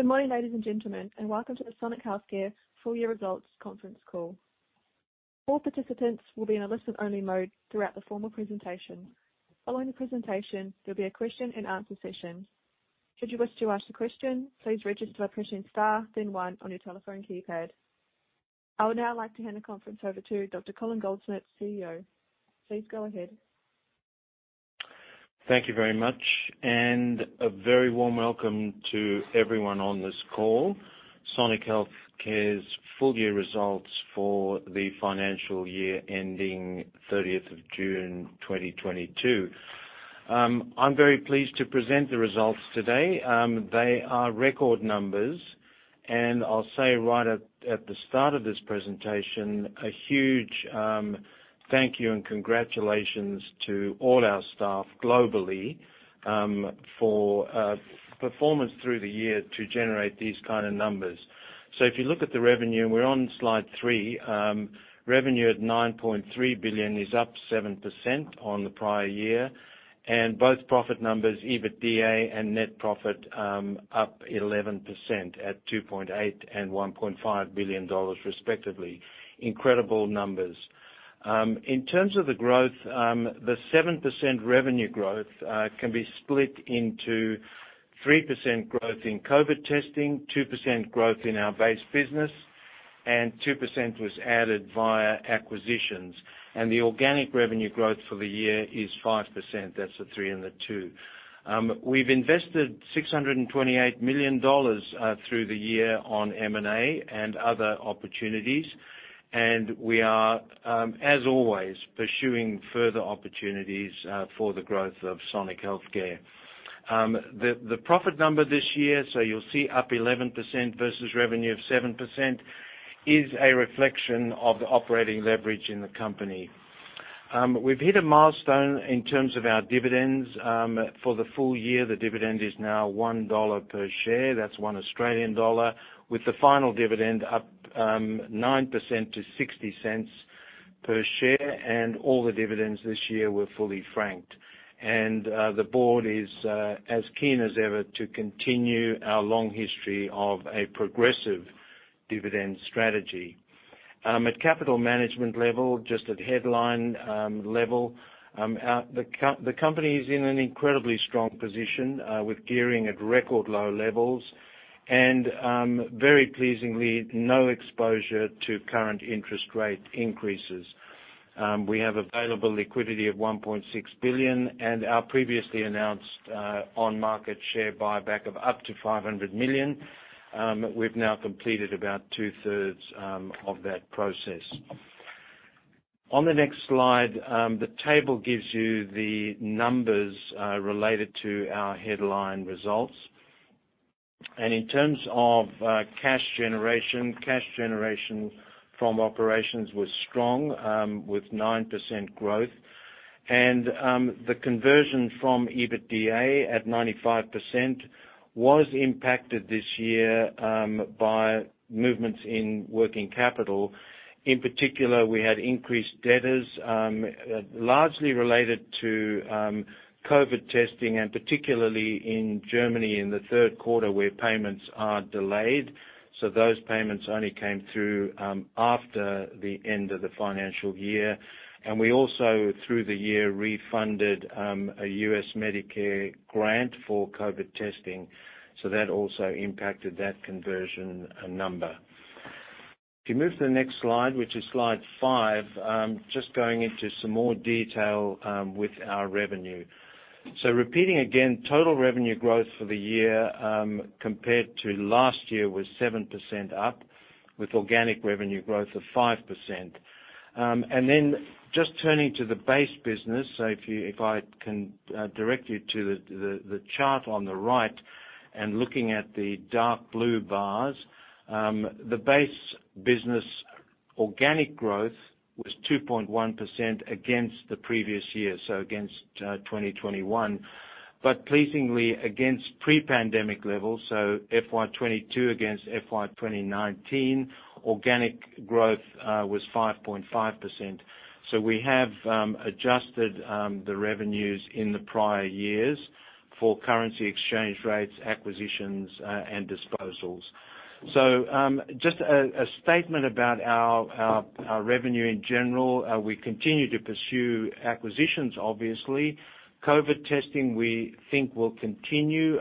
Good morning, ladies and gentlemen, and welcome to the Sonic Healthcare full year results conference call. All participants will be in a listen-only mode throughout the formal presentation. Following the presentation, there'll be a question-and-answer session. Should you wish to ask the question, please register by pressing star then one on your telephone keypad. I would now like to hand the conference over to Dr. Colin Goldschmidt, CEO. Please go ahead. Thank you very much and a very warm welcome to everyone on this call. Sonic Healthcare's full year results for the financial year ending thirtieth of June 2022. I'm very pleased to present the results today. They are record numbers. I'll say right at the start of this presentation, a huge thank you and congratulations to all our staff globally for performance through the year to generate these kind of numbers. If you look at the revenue, and we're on slide 3, revenue at 9.3 billion is up 7% on the prior year. Both profit numbers, EBITDA and net profit, up 11% at 2.8 billion and 1.5 billion dollars respectively. Incredible numbers. In terms of the growth, the 7% revenue growth can be split into 3% growth in COVID testing, 2% growth in our base business, and 2% was added via acquisitions. The organic revenue growth for the year is 5%. That's the 3 and the 2. We've invested 628 million dollars through the year on M&A and other opportunities, and we are, as always, pursuing further opportunities for the growth of Sonic Healthcare. The profit number this year, so you'll see up 11% versus revenue of 7%, is a reflection of the operating leverage in the company. We've hit a milestone in terms of our dividends. For the full year, the dividend is now 1 dollar per share. That's 1 Australian dollar, with the final dividend up 9% to 0.60 per share, and all the dividends this year were fully franked. The board is as keen as ever to continue our long history of a progressive dividend strategy. At capital management level, just at headline level, the company is in an incredibly strong position, with gearing at record low levels and, very pleasingly, no exposure to current interest rate increases. We have available liquidity of 1.6 billion and our previously announced on-market share buyback of up to 500 million. We've now completed about two-thirds of that process. On the next slide, the table gives you the numbers related to our headline results. In terms of cash generation from operations, it was strong with 9% growth. The conversion from EBITDA at 95% was impacted this year by movements in working capital. In particular, we had increased debtors largely related to COVID testing, and particularly in Germany in the third quarter, where payments are delayed. Those payments only came through after the end of the financial year. We also, through the year, refunded a U.S. Medicare grant for COVID testing. That also impacted that conversion number. If you move to the next slide, which is slide 5, just going into some more detail with our revenue. Repeating again, total revenue growth for the year compared to last year was 7% up, with organic revenue growth of 5%. Just turning to the base business. If I can direct you to the chart on the right and looking at the dark blue bars, the base business organic growth was 2.1% against the previous year, against 2021. Pleasingly against pre-pandemic levels, FY 2022 against FY 2019, organic growth was 5.5%. We have adjusted the revenues in the prior years for currency exchange rates, acquisitions, and disposals. Just a statement about our revenue in general, we continue to pursue acquisitions, obviously. COVID testing, we think will continue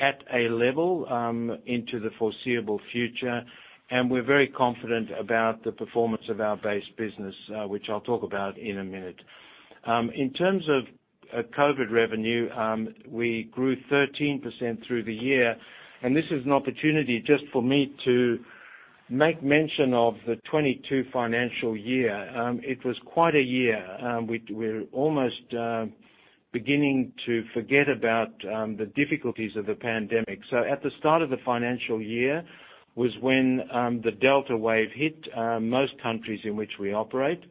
at a level into the foreseeable future. We're very confident about the performance of our base business, which I'll talk about in a minute. In terms of COVID revenue, we grew 13% through the year, and this is an opportunity just for me to make mention of the 2022 financial year. It was quite a year. We're almost beginning to forget about the difficulties of the pandemic. At the start of the financial year was when the Delta wave hit most countries in which we operate.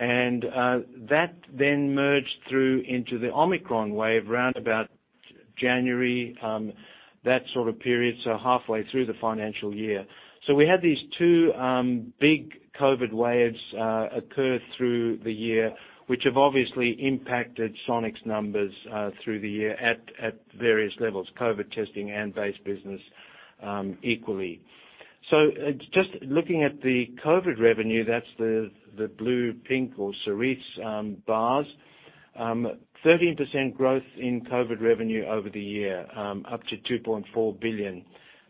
That then merged through into the Omicron wave round about January, that sort of period, so halfway through the financial year. We had these two big COVID waves occur through the year, which have obviously impacted Sonic's numbers through the year at various levels, COVID testing and base business equally. Just looking at the COVID revenue, that's the blue, pink or cerise bars, 13% growth in COVID revenue over the year, up to 2.4 billion.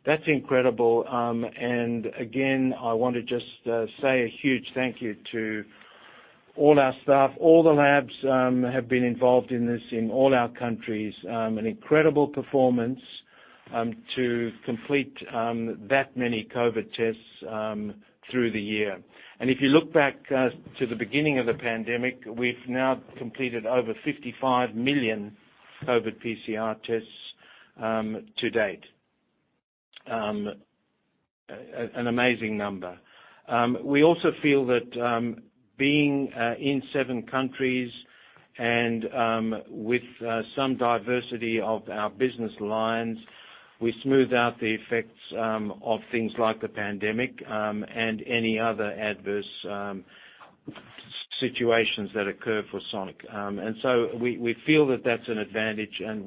That's incredible. Again, I want to just say a huge thank you to all our staff. All the labs have been involved in this in all our countries. An incredible performance to complete that many COVID tests through the year. If you look back to the beginning of the pandemic, we've now completed over 55 million COVID PCR tests to date. An amazing number. We also feel that, being in seven countries and with some diversity of our business lines, we smooth out the effects of things like the pandemic and any other adverse situations that occur for Sonic. We feel that that's an advantage and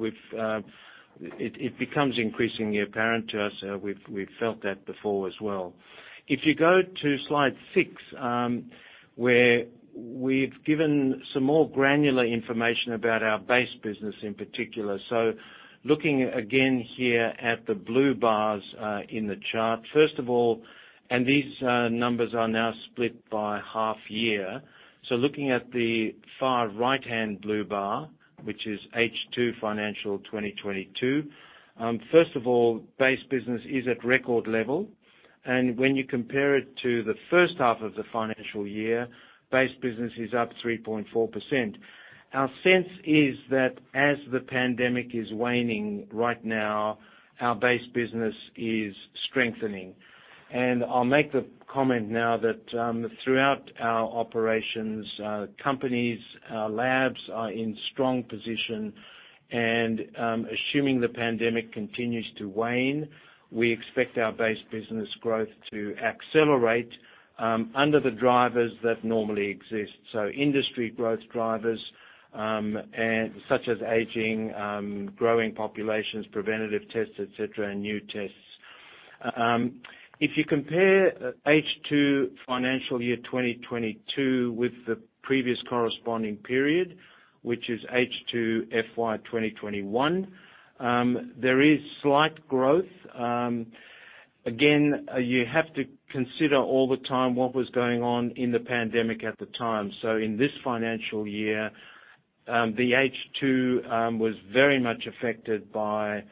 it becomes increasingly apparent to us. We've felt that before as well. If you go to slide 6, where we've given some more granular information about our base business in particular. Looking again here at the blue bars in the chart, first of all, these numbers are now split by half year. Looking at the far right-hand blue bar, which is H2 financial 2022, first of all, base business is at record level. When you compare it to the first half of the financial year, base business is up 3.4%. Our sense is that as the pandemic is waning right now, our base business is strengthening. I'll make the comment now that throughout our operations, labs are in strong position. Assuming the pandemic continues to wane, we expect our base business growth to accelerate under the drivers that normally exist. Industry growth drivers and such as aging, growing populations, preventative tests, et cetera, and new tests. If you compare H2 FY 2022 with the previous corresponding period, which is H2 FY 2021, there is slight growth. Again, you have to consider all the time what was going on in the pandemic at the time. In this financial year, the H2 was very much affected by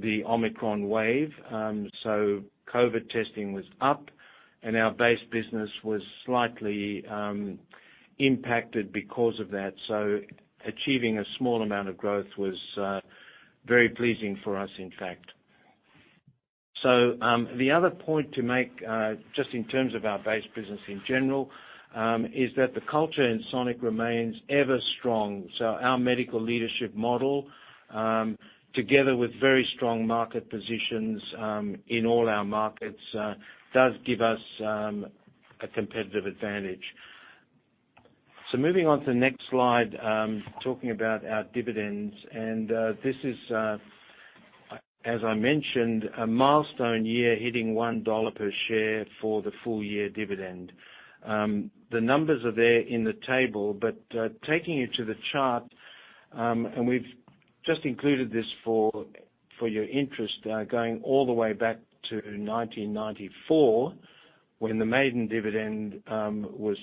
the Omicron wave. COVID testing was up, and our base business was slightly impacted because of that. Achieving a small amount of growth was very pleasing for us, in fact. The other point to make just in terms of our base business in general is that the culture in Sonic remains ever strong. Our medical leadership model together with very strong market positions in all our markets does give us a competitive advantage. Moving on to the next slide talking about our dividends, and this is as I mentioned, a milestone year hitting 1 dollar per share for the full year dividend. The numbers are there in the table, but taking you to the chart, and we've just included this for your interest, going all the way back to 1994, when the maiden dividend was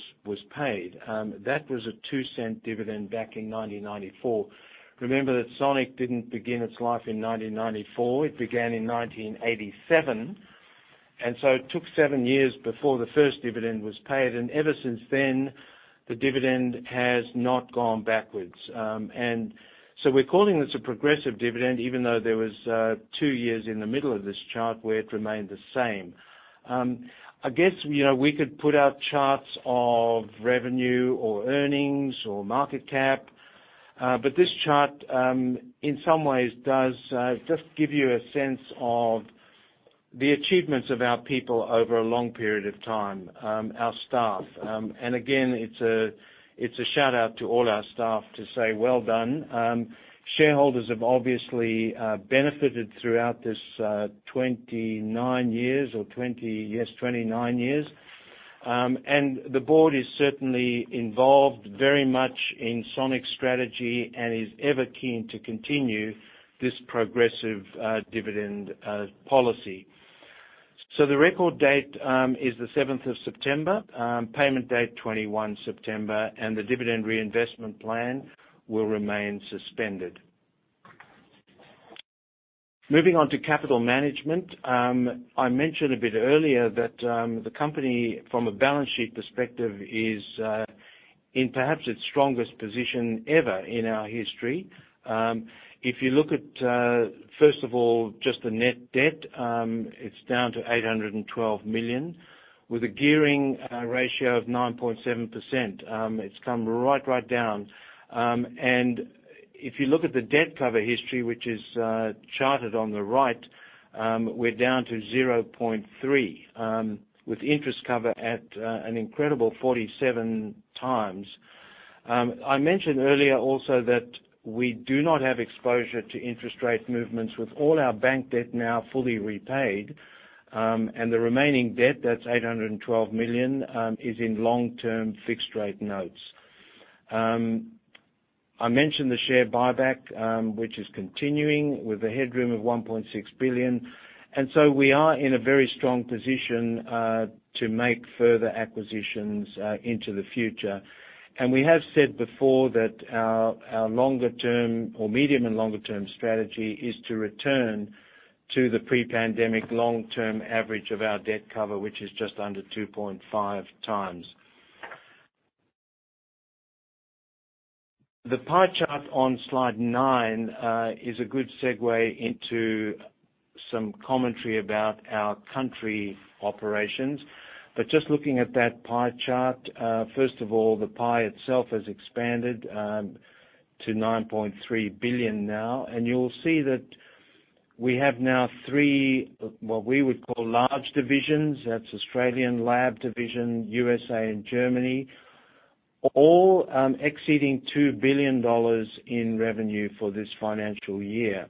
paid. That was an 0.02 dividend back in 1994. Remember that Sonic didn't begin its life in 1994, it began in 1987. It took seven years before the first dividend was paid. Ever since then, the dividend has not gone backwards. We're calling this a progressive dividend, even though there was two years in the middle of this chart where it remained the same. I guess, you know, we could put out charts of revenue or earnings or market cap. This chart, in some ways, does just give you a sense of the achievements of our people over a long period of time, our staff. Again, it's a shout out to all our staff to say, "Well done." Shareholders have obviously benefited throughout this 29 years. The board is certainly involved very much in Sonic's strategy and is ever keen to continue this progressive dividend policy. The record date is the seventh of September, payment date 21 September, and the dividend reinvestment plan will remain suspended. Moving on to capital management. I mentioned a bit earlier that the company, from a balance sheet perspective, is in perhaps its strongest position ever in our history. If you look at first of all just the net debt, it's down to 812 million with a gearing ratio of 9.7%. It's come right down. If you look at the debt cover history, which is charted on the right, we're down to 0.3 with interest cover at an incredible 47 times. I mentioned earlier also that we do not have exposure to interest rate movements with all our bank debt now fully repaid, and the remaining debt, that's 812 million, is in long-term fixed rate notes. I mentioned the share buyback, which is continuing with a headroom of 1.6 billion. We are in a very strong position to make further acquisitions into the future. We have said before that our longer term or medium and longer term strategy is to return to the pre-pandemic long-term average of our debt cover, which is just under 2.5 times. The pie chart on slide nine is a good segue into some commentary about our country operations. Just looking at that pie chart, first of all, the pie itself has expanded to 9.3 billion now, and you'll see that we have now three, what we would call large divisions. That's Australian Lab Division, U.S.A., and Germany, all exceeding 2 billion dollars in revenue for this financial year.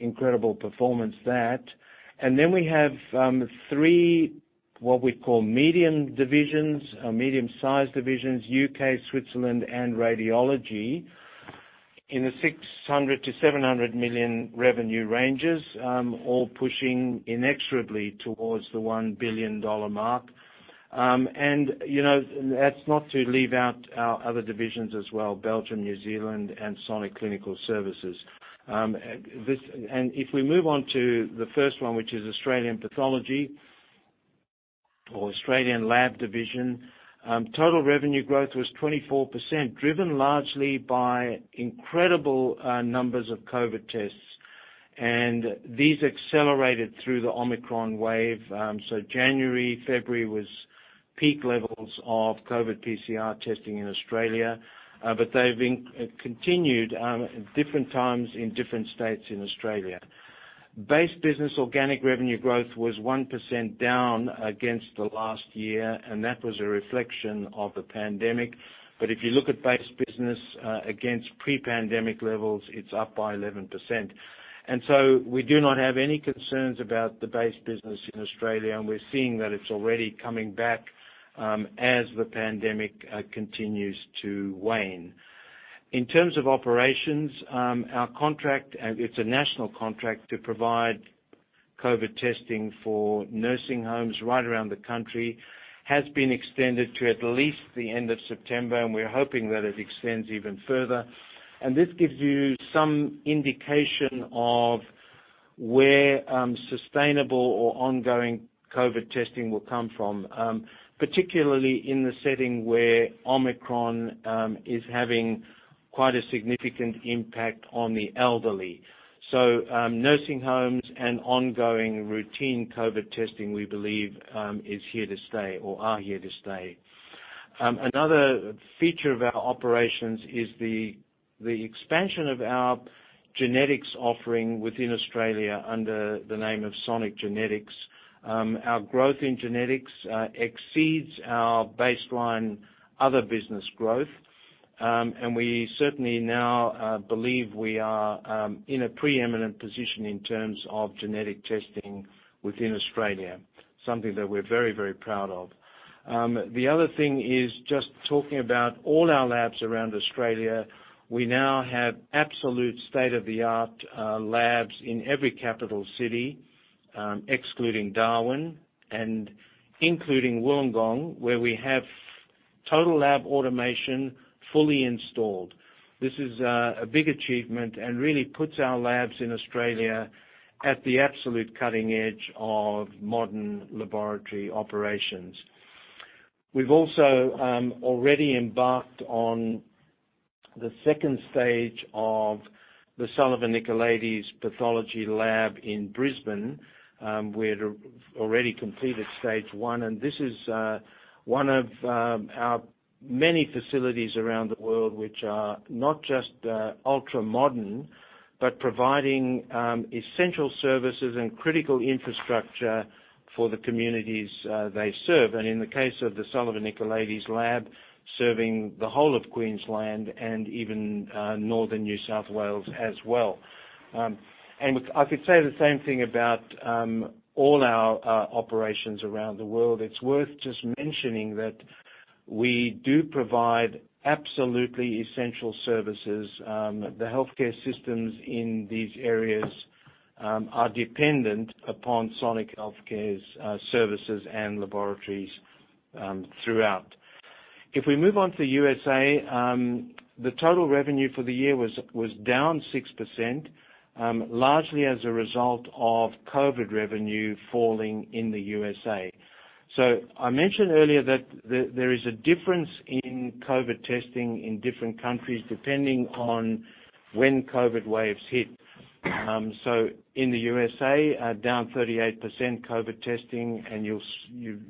Incredible performance. We have 3, what we call medium divisions, medium-sized divisions, U.K., Switzerland and Radiology in the 600-700 million revenue ranges, all pushing inexorably towards the 1 billion dollar mark. You know, that's not to leave out our other divisions as well, Belgium, New Zealand and Sonic Clinical Services. If we move on to the first one, which is Australian Pathology or Australian Lab Division, total revenue growth was 24%, driven largely by incredible numbers of COVID tests. These accelerated through the Omicron wave. January, February was peak levels of COVID PCR testing in Australia, but they've been continued at different times in different states in Australia. Base business organic revenue growth was 1% down against the last year, and that was a reflection of the pandemic. If you look at base business against pre-pandemic levels, it's up by 11%. We do not have any concerns about the base business in Australia, and we're seeing that it's already coming back as the pandemic continues to wane. In terms of operations, our contract, it's a national contract to provide COVID testing for nursing homes right around the country, has been extended to at least the end of September, and we're hoping that it extends even further. This gives you some indication of where sustainable or ongoing COVID testing will come from, particularly in the setting where Omicron is having quite a significant impact on the elderly. Nursing homes and ongoing routine COVID testing, we believe, is here to stay or are here to stay. Another feature of our operations is the expansion of our genetics offering within Australia under the name of Sonic Genetics. Our growth in genetics exceeds our baseline other business growth. We certainly now believe we are in a preeminent position in terms of genetic testing within Australia, something that we're very, very proud of. The other thing is just talking about all our labs around Australia. We now have absolute state-of-the-art labs in every capital city, excluding Darwin and including Wollongong, where we have total lab automation fully installed. This is a big achievement and really puts our labs in Australia at the absolute cutting edge of modern laboratory operations. We've also already embarked on the second stage of the Sullivan Nicolaides Pathology Lab in Brisbane. We'd already completed stage one, and this is one of our many facilities around the world which are not just ultra-modern, but providing essential services and critical infrastructure for the communities they serve. In the case of the Sullivan Nicolaides lab, serving the whole of Queensland and even Northern New South Wales as well. I could say the same thing about all our operations around the world. It's worth just mentioning that we do provide absolutely essential services. The healthcare systems in these areas are dependent upon Sonic Healthcare's services and laboratories throughout. If we move on to the U.S.A., the total revenue for the year was down 6%, largely as a result of COVID revenue falling in the U.S.A. I mentioned earlier that there is a difference in COVID testing in different countries depending on when COVID waves hit. In the U.S.A., down 38% COVID testing, and you'll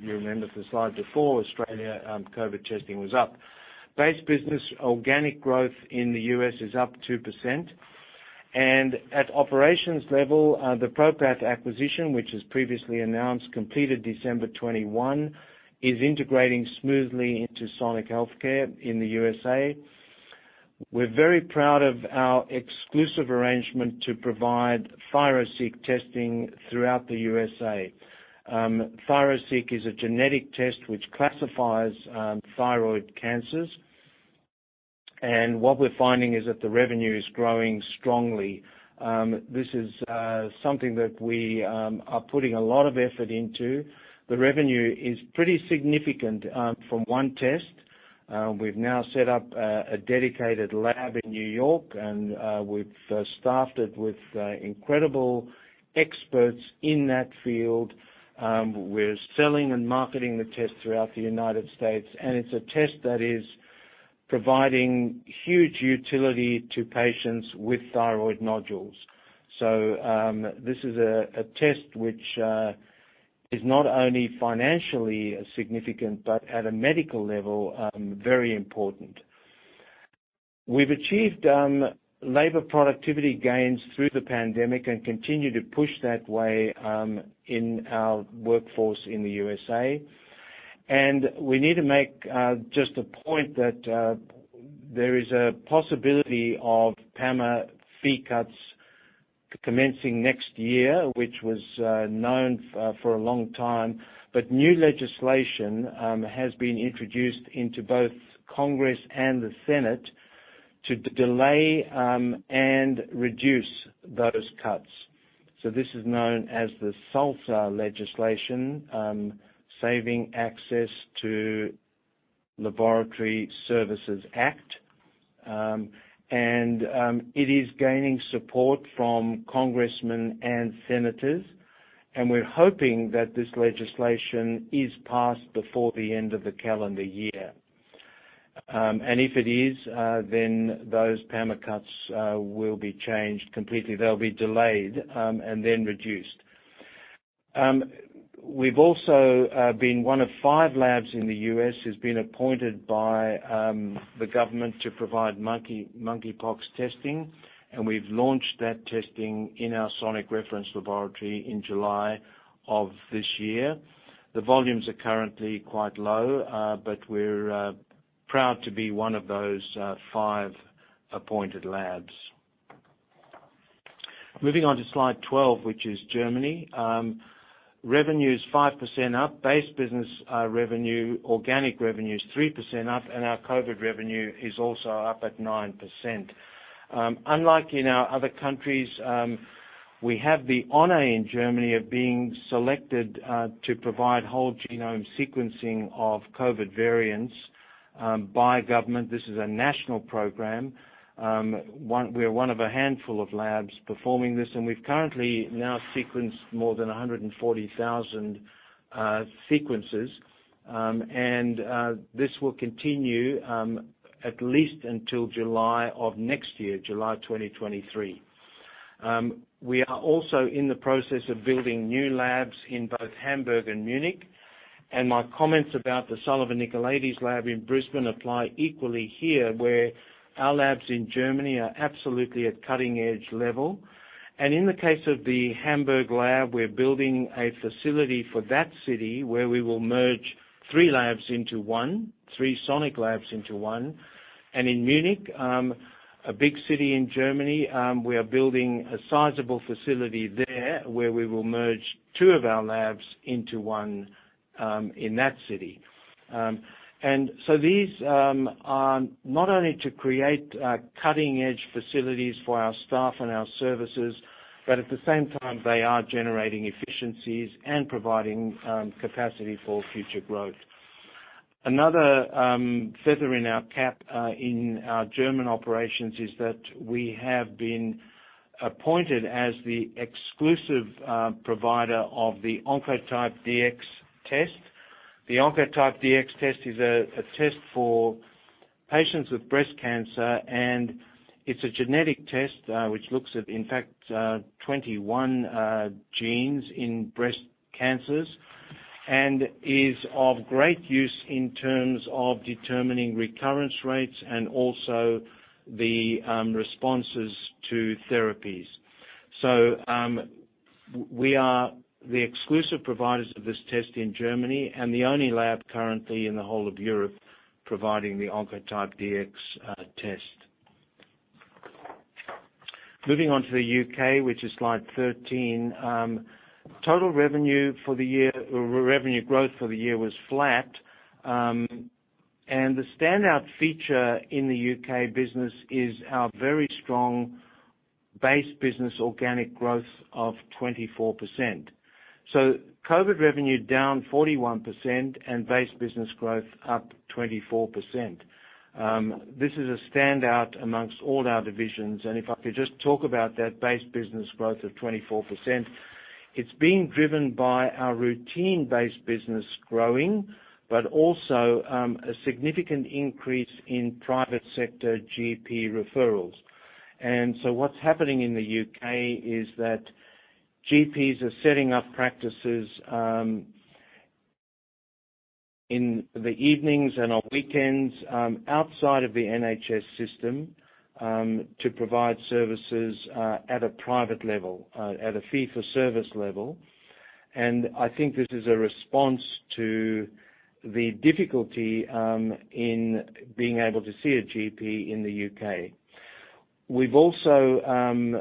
remember from the slide before, Australia, COVID testing was up. Base business organic growth in the U.S. is up 2%. At operations level, the ProPath acquisition, which was previously announced, completed December 21, is integrating smoothly into Sonic Healthcare U.S.A. We're very proud of our exclusive arrangement to provide ThyroSeq testing throughout the U.S.A. ThyroSeq is a genetic Test which classifies thyroid cancers. What we're finding is that the revenue is growing strongly. This is something that we are putting a lot of effort into. The revenue is pretty significant from one test. We've now set up a dedicated lab in New York, and we've staffed it with incredible experts in that field. We're selling and marketing the test throughout the United States, and it's a test that is providing huge utility to patients with thyroid nodules. This is a test which is not only financially significant, but at a medical level, very important. We've achieved labor productivity gains through the pandemic and continue to push that way in our workforce in the U.S.A. We need to make just a point that there is a possibility of PAMA fee cuts commencing next year, which was known for a long time. New legislation has been introduced into both Congress and the Senate to delay and reduce those cuts. This is known as the SALSA legislation, Saving Access to Laboratory Services Act. It is gaining support from congressmen and senators, and we're hoping that this legislation is passed before the end of the calendar year. If it is, then those PAMA cuts will be changed completely. They'll be delayed, and then reduced. We've also been one of five labs in the U.S. who's been appointed by the government to provide monkeypox testing, and we've launched that testing in our Sonic reference laboratory in July of this year. The volumes are currently quite low, but we're proud to be one of those five appointed labs. Moving on to slide 12, which is Germany. Revenue's 5% up. Base business revenue organic revenue's 3% up, and our COVID revenue is also up at 9%. Unlike in our other countries, we have the honor in Germany of being selected to provide whole genome sequencing of COVID variants by government. This is a national program. We are one of a handful of labs performing this, and we've currently now sequenced more than 140,000 sequences. This will continue at least until July of next year, July 2023. We are also in the process of building new labs in both Hamburg and Munich, and my comments about the Sullivan Nicolaides lab in Brisbane apply equally here, where our labs in Germany are absolutely at cutting-edge level. In the case of the Hamburg lab, we're building a facility for that city where we will merge three labs into one, three Sonic labs into one. In Munich, a big city in Germany, we are building a sizable facility there, where we will merge two of our labs into one, in that city. These are not only to create cutting-edge facilities for our staff and our services, but at the same time, they are generating efficiencies and providing capacity for future growth. Another feather in our cap in our German operations is that we have been appointed as the exclusive provider of the Oncotype DX test. The Oncotype DX test is a test for patients with breast cancer, and it's a genetic test, which looks at, in fact, 21 genes in breast cancers and is of great use in terms of determining recurrence rates and also the responses to therapies. We are the exclusive providers of this test in Germany and the only lab currently in the whole of Europe providing the Oncotype DX test. Moving on to the UK, which is slide 13. Total revenue for the year or revenue growth for the year was flat. The standout feature in the UK business is our very strong base business organic growth of 24%. COVID revenue down 41% and base business growth up 24%. This is a standout amongst all our divisions, and if I could just talk about that base business growth of 24%. It's being driven by our routine base business growing, but also, a significant increase in private sector GP referrals. What's happening in the U.K. is that GPs are setting up practices in the evenings and on weekends, outside of the NHS system, to provide services at a private level, at a fee for service level. I think this is a response to the difficulty in being able to see a GP in the U.K. We've also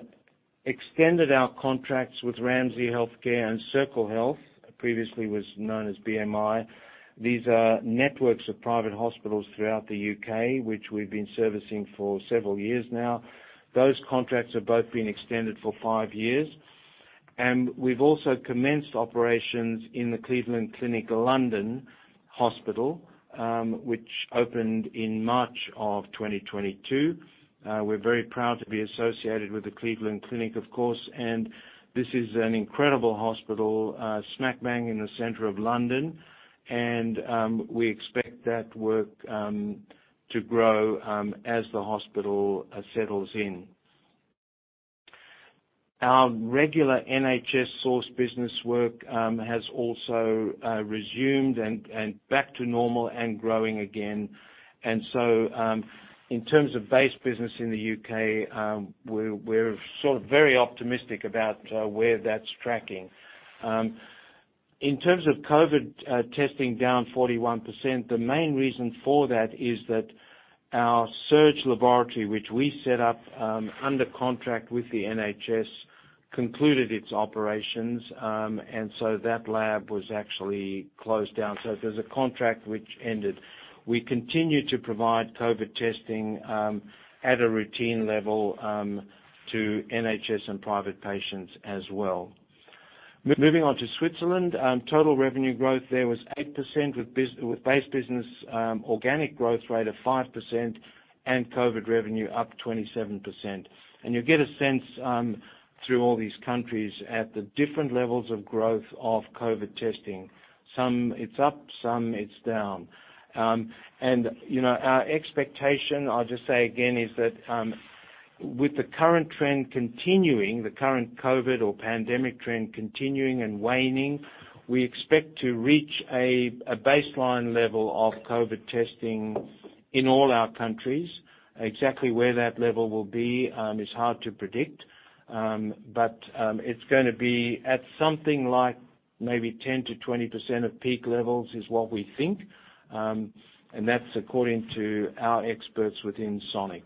extended our contracts with Ramsay Health Care and Circle Health, previously known as BMI. These are networks of private hospitals throughout the U.K., which we've been servicing for several years now. Those contracts have both been extended for five years. We've also commenced operations in the Cleveland Clinic London Hospital, which opened in March 2022. We're very proud to be associated with the Cleveland Clinic, of course. This is an incredible hospital, smack bang in the center of London. We expect that work to grow as the hospital settles in. Our regular NHS sourced business work has also resumed and back to normal and growing again. In terms of base business in the U.K., we're sort of very optimistic about where that's tracking. In terms of COVID testing down 41%, the main reason for that is that our surge laboratory, which we set up under contract with the NHS, concluded its operations. That lab was actually closed down. There's a contract which ended. We continue to provide COVID testing at a routine level to NHS and private patients as well. Moving on to Switzerland, total revenue growth there was 8% with base business organic growth rate of 5% and COVID revenue up 27%. You get a sense through all these countries at the different levels of growth of COVID testing. Some it's up, some it's down. You know, our expectation, I'll just say again, is that with the current trend continuing, the current COVID or pandemic trend continuing and waning, we expect to reach a baseline level of COVID testing in all our countries. Exactly where that level will be is hard to predict. It's gonna be at something like maybe 10%-20% of peak levels is what we think. That's according to our experts within Sonic.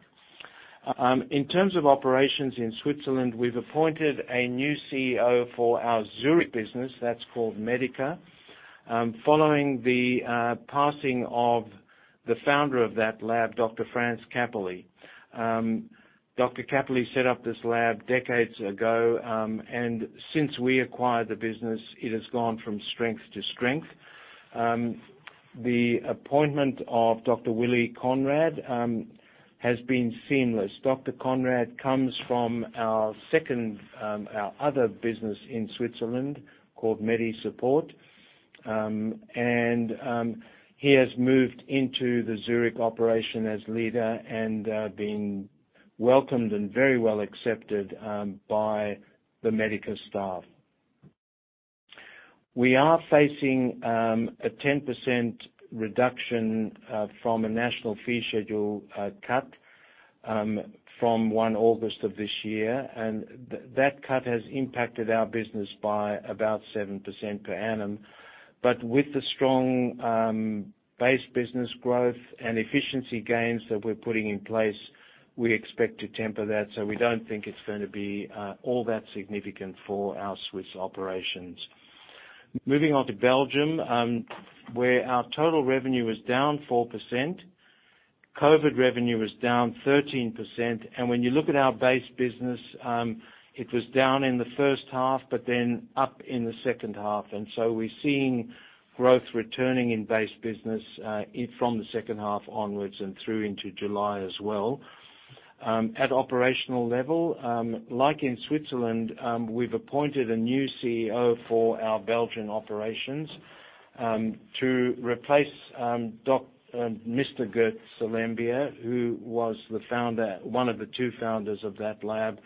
In terms of operations in Switzerland, we've appointed a new CEO for our Zurich business. That's called Medica. Following the passing of the founder of that lab, Dr. Franz Käppeler. Dr. Käppeler set up this lab decades ago, and since we acquired the business, it has gone from strength to strength. The appointment of Dr. Willi Conrad has been seamless. Dr. Conrad comes from our other business in Switzerland called Medisupport. He has moved into the Zurich operation as leader and been welcomed and very well accepted by the Medica staff. We are facing a 10% reduction from a national fee schedule cut from 1 August of this year. That cut has impacted our business by about 7% per annum. With the strong base business growth and efficiency gains that we're putting in place, we expect to temper that, so we don't think it's gonna be all that significant for our Swiss operations. Moving on to Belgium, where our total revenue was down 4%. COVID revenue was down 13%. When you look at our base business, it was down in the first half, but then up in the second half. We're seeing growth returning in base business from the second half onwards and through into July as well. At operational level, like in Switzerland, we've appointed a new CEO for our Belgian operations to replace Mr. Geert Salembier, who was the founder, one of the two founders of that lab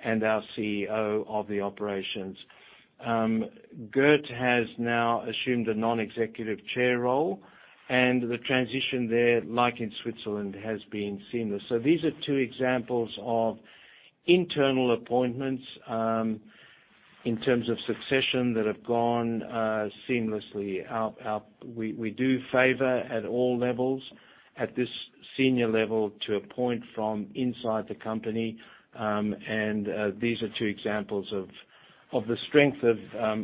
and our CEO of the operations. Geert has now assumed a non-executive chair role, and the transition there, like in Switzerland, has been seamless. These are two examples of internal appointments in terms of succession that have gone seamlessly. We do favor at all levels at this senior level to appoint from inside the company. These are two examples of the strength of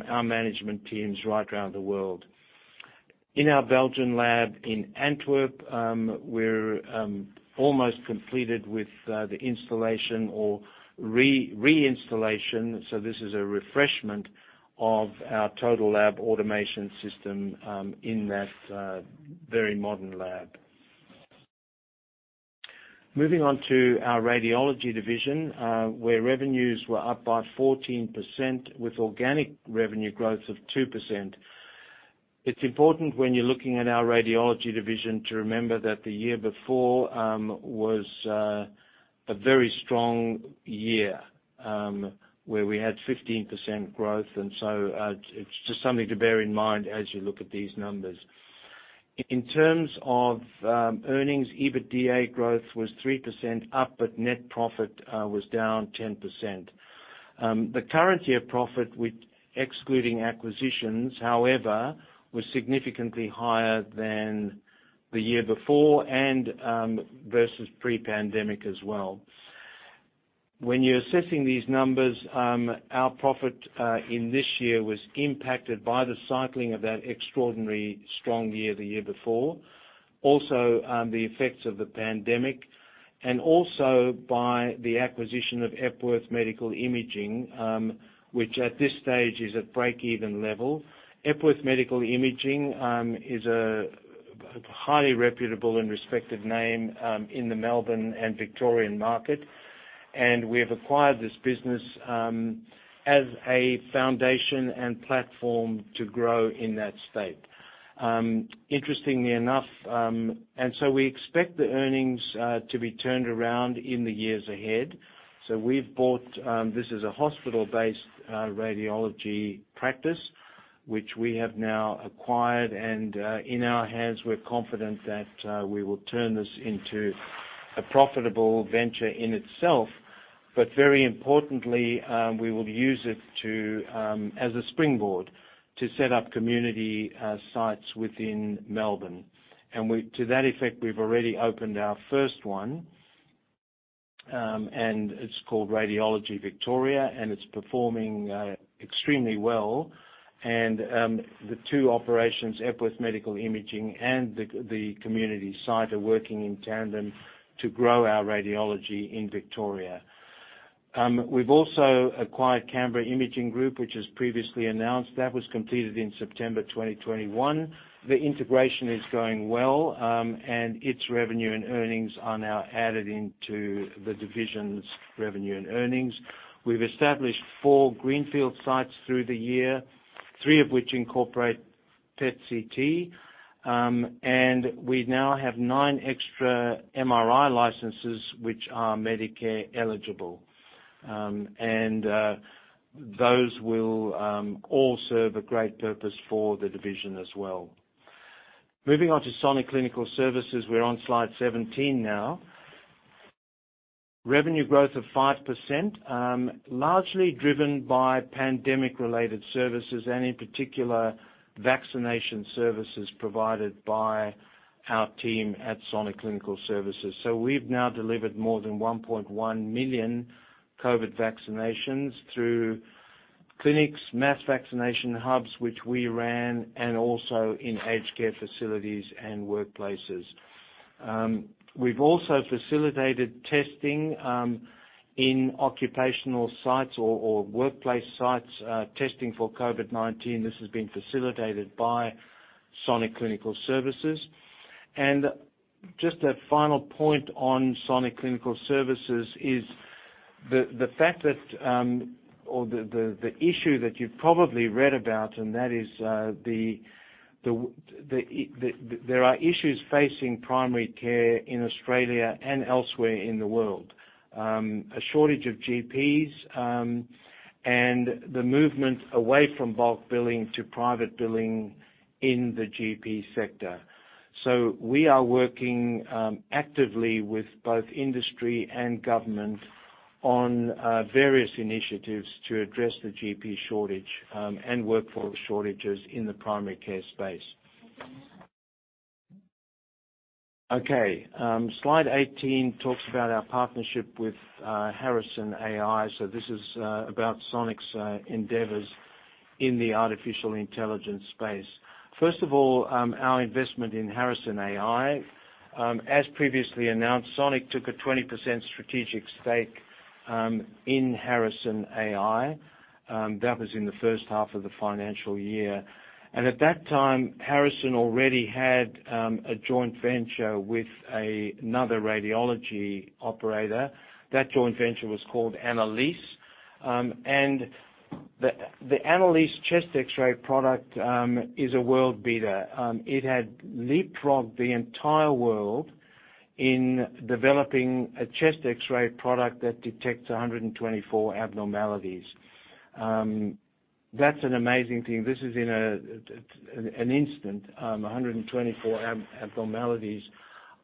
our management teams right around the world. In our Belgian lab in Antwerp, we're almost completed with the installation or reinstallation. This is a refurbishment of our Total Laboratory Automation system in that very modern lab. Moving on to our radiology division, where revenues were up by 14% with organic revenue growth of 2%. It's important when you're looking at our radiology division to remember that the year before was a very strong year where we had 15% growth. It's just something to bear in mind as you look at these numbers. In terms of earnings, EBITDA growth was 3% up, but net profit was down 10%. The current year profit excluding acquisitions, however, was significantly higher than the year before and versus pre-pandemic as well. When you're assessing these numbers, our profit in this year was impacted by the cycling of that extraordinarily strong year, the year before. Also, the effects of the pandemic, and also by the acquisition of Epworth Medical Imaging, which at this stage is at breakeven level. Epworth Medical Imaging is a highly reputable and respected name in the Melbourne and Victorian market, and we have acquired this business as a foundation and platform to grow in that state. Interestingly enough, we expect the earnings to be turned around in the years ahead. We've bought this is a hospital-based radiology practice, which we have now acquired, and in our hands, we're confident that we will turn this into a profitable venture in itself. Very importantly, we will use it to, as a springboard to set up community sites within Melbourne. To that effect, we've already opened our first one, and it's called Radiology Victoria, and it's performing extremely well. The two operations, Epworth Medical Imaging and the community site, are working in tandem to grow our radiology in Victoria. We've also acquired Canberra Imaging Group, which was previously announced. That was completed in September 2021. The integration is going well, and its revenue and earnings are now added into the division's revenue and earnings. We've established four greenfield sites through the year, three of which incorporate PET/CT, and we now have nine extra MRI licenses, which are Medicare eligible. Those will all serve a great purpose for the division as well. Moving on to Sonic Clinical Services, we're on slide 17 now. Revenue growth of 5%, largely driven by pandemic-related services, and in particular, vaccination services provided by our team at Sonic Clinical Services. We've now delivered more than 1.1 million COVID vaccinations through clinics, mass vaccination hubs, which we ran, and also in aged care facilities and workplaces. We've also facilitated testing in occupational sites or workplace sites, testing for COVID-19. This has been facilitated by Sonic Clinical Services. Just a final point on Sonic Clinical Services is the fact that, or the issue that you've probably read about, and that is, there are issues facing primary care in Australia and elsewhere in the world. A shortage of GPs, and the movement away from bulk billing to private billing in the GP sector. We are working actively with both industry and government on various initiatives to address the GP shortage and workforce shortages in the primary care space. Okay, slide 18 talks about our partnership with Harrison.ai. This is about Sonic's endeavors in the artificial intelligence space. First of all, our investment in Harrison.ai. As previously announced, Sonic took a 20% strategic stake in Harrison.ai. That was in the first half of the financial year. At that time, Harrison already had a joint venture with another radiology operator. That joint venture was called Annalise. The Annalise chest X-ray product is a world beater. It had leapfrogged the entire world in developing a chest X-ray product that detects 124 abnormalities. That's an amazing thing. This is in an instant, 124 abnormalities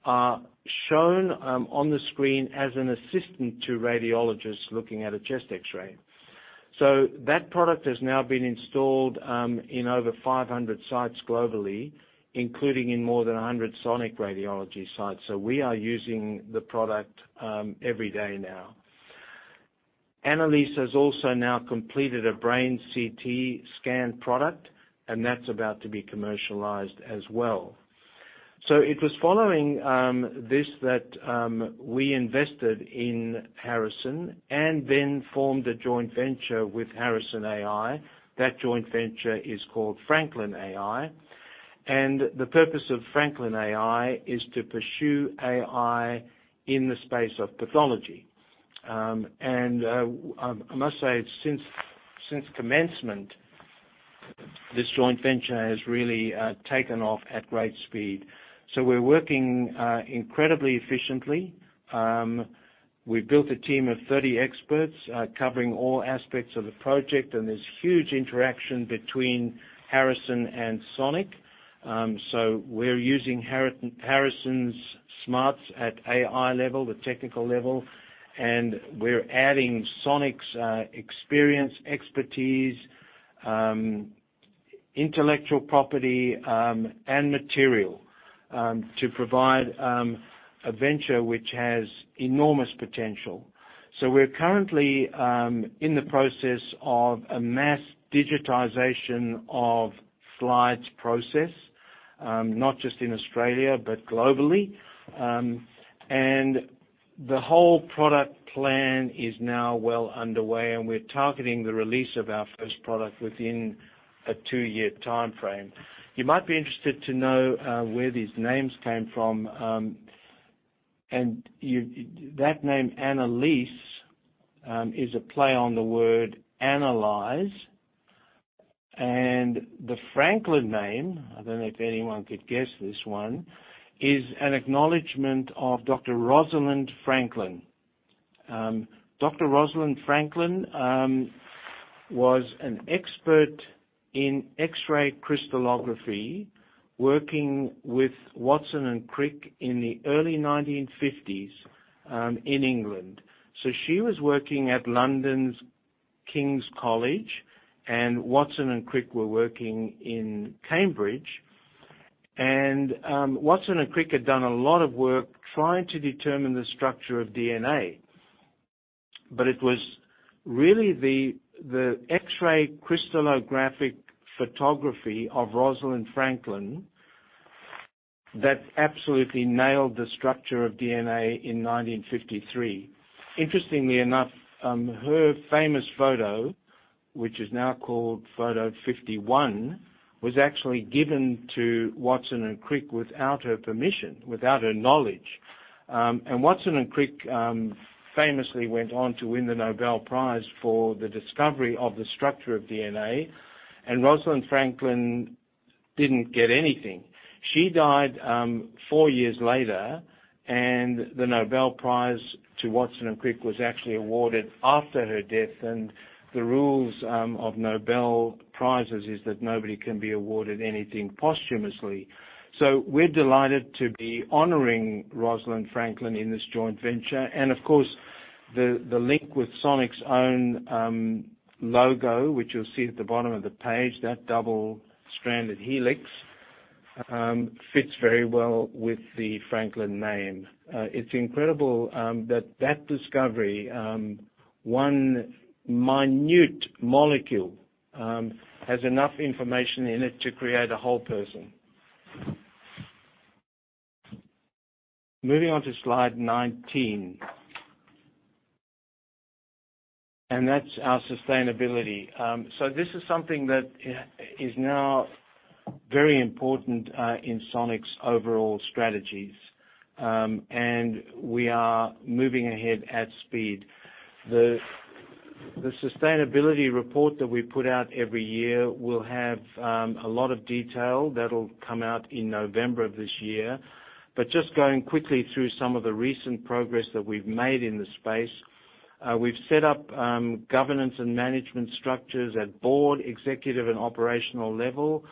are shown on the screen as an assistant to radiologists looking at a chest X-ray. That product has now been installed in over 500 sites globally, including in more than 100 Sonic Radiology sites. We are using the product every day now. Annalise has also now completed a brain CT scan product, and that's about to be commercialized as well. It was following this that we invested in Harrison and then formed a joint venture with Harrison.ai. That joint venture is called Franklin.ai. The purpose of Franklin.ai is to pursue AI in the space of pathology. I must say, since commencement. This joint venture has really taken off at great speed. We're working incredibly efficiently. We've built a team of 30 experts, covering all aspects of the project, and there's huge interaction between Harrison and Sonic. We're using Harrison's smarts at AI level, the technical level, and we're adding Sonic's experience, expertise, intellectual property, and material to provide a venture which has enormous potential. We're currently in the process of mass digitization of slides, not just in Australia, but globally. The whole product plan is now well underway, and we're targeting the release of our first product within a two-year timeframe. You might be interested to know where these names came from. That name, Annalise, is a play on the word analyze. The Franklin name, I don't know if anyone could guess this one, is an acknowledgement of Dr. Rosalind Franklin. Dr. Rosalind Franklin was an expert in X-ray crystallography working with Watson and Crick in the early 1950s in England. She was working at London's King's College, and Watson and Crick were working in Cambridge. Watson and Crick had done a lot of work trying to determine the structure of DNA, but it was really the X-ray crystallographic photography of Rosalind Franklin that absolutely nailed the structure of DNA in 1953. Interestingly enough, her famous photo, which is now called Photo 51, was actually given to Watson and Crick without her permission, without her knowledge. Watson and Crick famously went on to win the Nobel Prize for the discovery of the structure of DNA, and Rosalind Franklin didn't get anything. She died four years later, and the Nobel Prize to Watson and Crick was actually awarded after her death. The rules of Nobel Prizes is that nobody can be awarded anything posthumously. We're delighted to be honoring Rosalind Franklin in this joint venture. Of course, the link with Sonic's own logo, which you'll see at the bottom of the page, that double-stranded helix fits very well with the Franklin name. It's incredible that that discovery one minute molecule has enough information in it to create a whole person. Moving on to slide 19. That's our sustainability. This is something that is now very important in Sonic's overall strategies. We are moving ahead at speed. The sustainability report that we put out every year will have a lot of detail. That'll come out in November of this year. Just going quickly through some of the recent progress that we've made in the space. We've set up governance and management structures at board, executive, and operational level.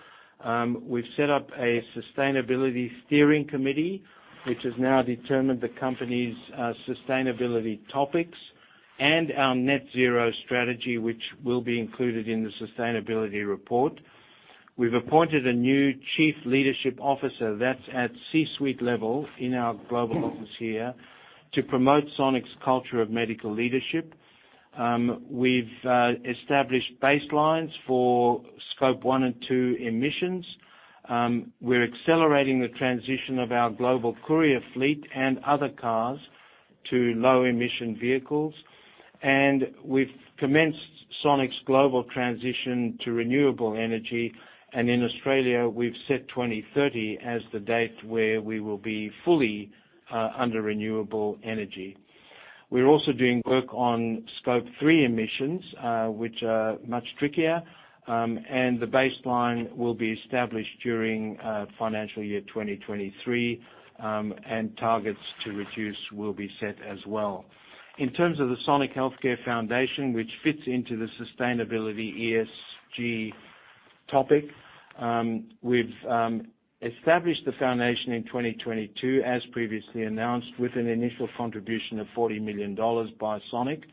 We've set up a sustainability steering committee, which has now determined the company's sustainability topics and our net zero strategy, which will be included in the sustainability report. We've appointed a new Chief Leadership Officer that's at C-suite level in our global office here to promote Sonic's culture of medical leadership. We've established baselines for Scope 1 and 2 emissions. We're accelerating the transition of our global courier fleet and other cars to low-emission vehicles. We've commenced Sonic's global transition to renewable energy. In Australia, we've set 2030 as the date where we will be fully under renewable energy. We're also doing work on Scope 3 emissions, which are much trickier. The baseline will be established during financial year 2023, and targets to reduce will be set as well. In terms of the Sonic Healthcare Foundation, which fits into the sustainability ESG topic, we've established the foundation in 2022, as previously announced, with an initial contribution of 40 million dollars by Sonic.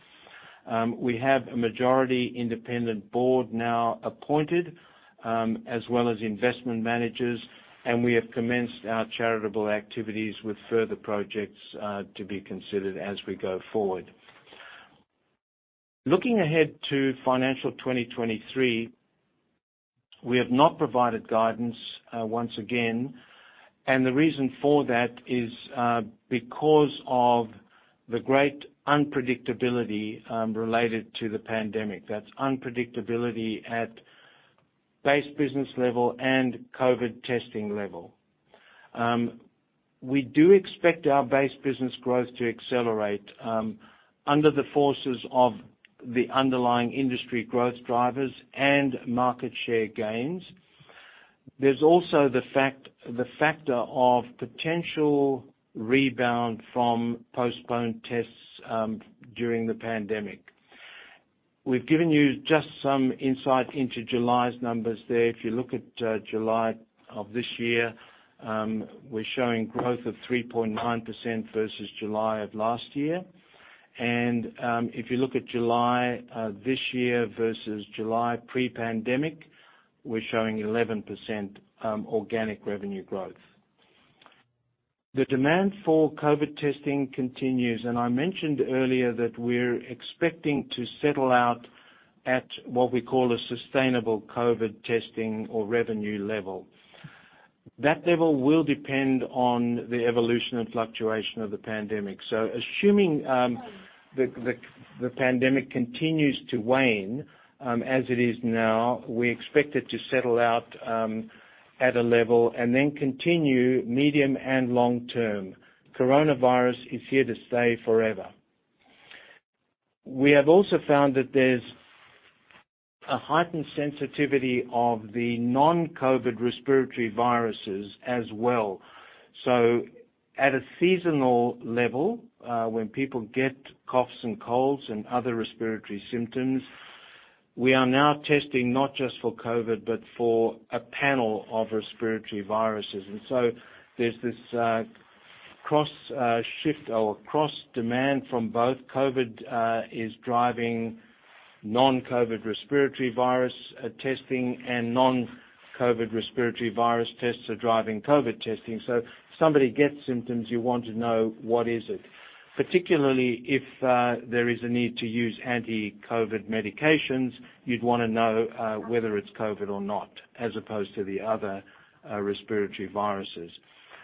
We have a majority independent board now appointed, as well as investment managers, and we have commenced our charitable activities with further projects to be considered as we go forward. Looking ahead to financial 2023, we have not provided guidance once again, and the reason for that is because of the great unpredictability related to the pandemic. That's unpredictability at base business level and COVID testing level. We do expect our base business growth to accelerate under the forces of the underlying industry growth drivers and market share gains. There's also the factor of potential rebound from postponed tests during the pandemic. We've given you just some insight into July's numbers there. If you look at July of this year, we're showing growth of 3.9% versus July of last year. If you look at July this year versus July pre-pandemic, we're showing 11% organic revenue growth. The demand for COVID testing continues, and I mentioned earlier that we're expecting to settle out at what we call a sustainable COVID testing or revenue level. That level will depend on the evolution and fluctuation of the pandemic. Assuming the pandemic continues to wane as it is now, we expect it to settle out at a level and then continue medium and long-term. Coronavirus is here to stay forever. We have also found that there's a heightened sensitivity of the non-COVID respiratory viruses as well. At a seasonal level, when people get coughs and colds and other respiratory symptoms, we are now testing not just for COVID, but for a panel of respiratory viruses. There's this cross shift or cross-demand from both COVID is driving non-COVID respiratory virus testing, and non-COVID respiratory virus tests are driving COVID testing. If somebody gets symptoms, you want to know what is it. Particularly if there is a need to use anti-COVID medications, you'd wanna know whether it's COVID or not, as opposed to the other respiratory viruses.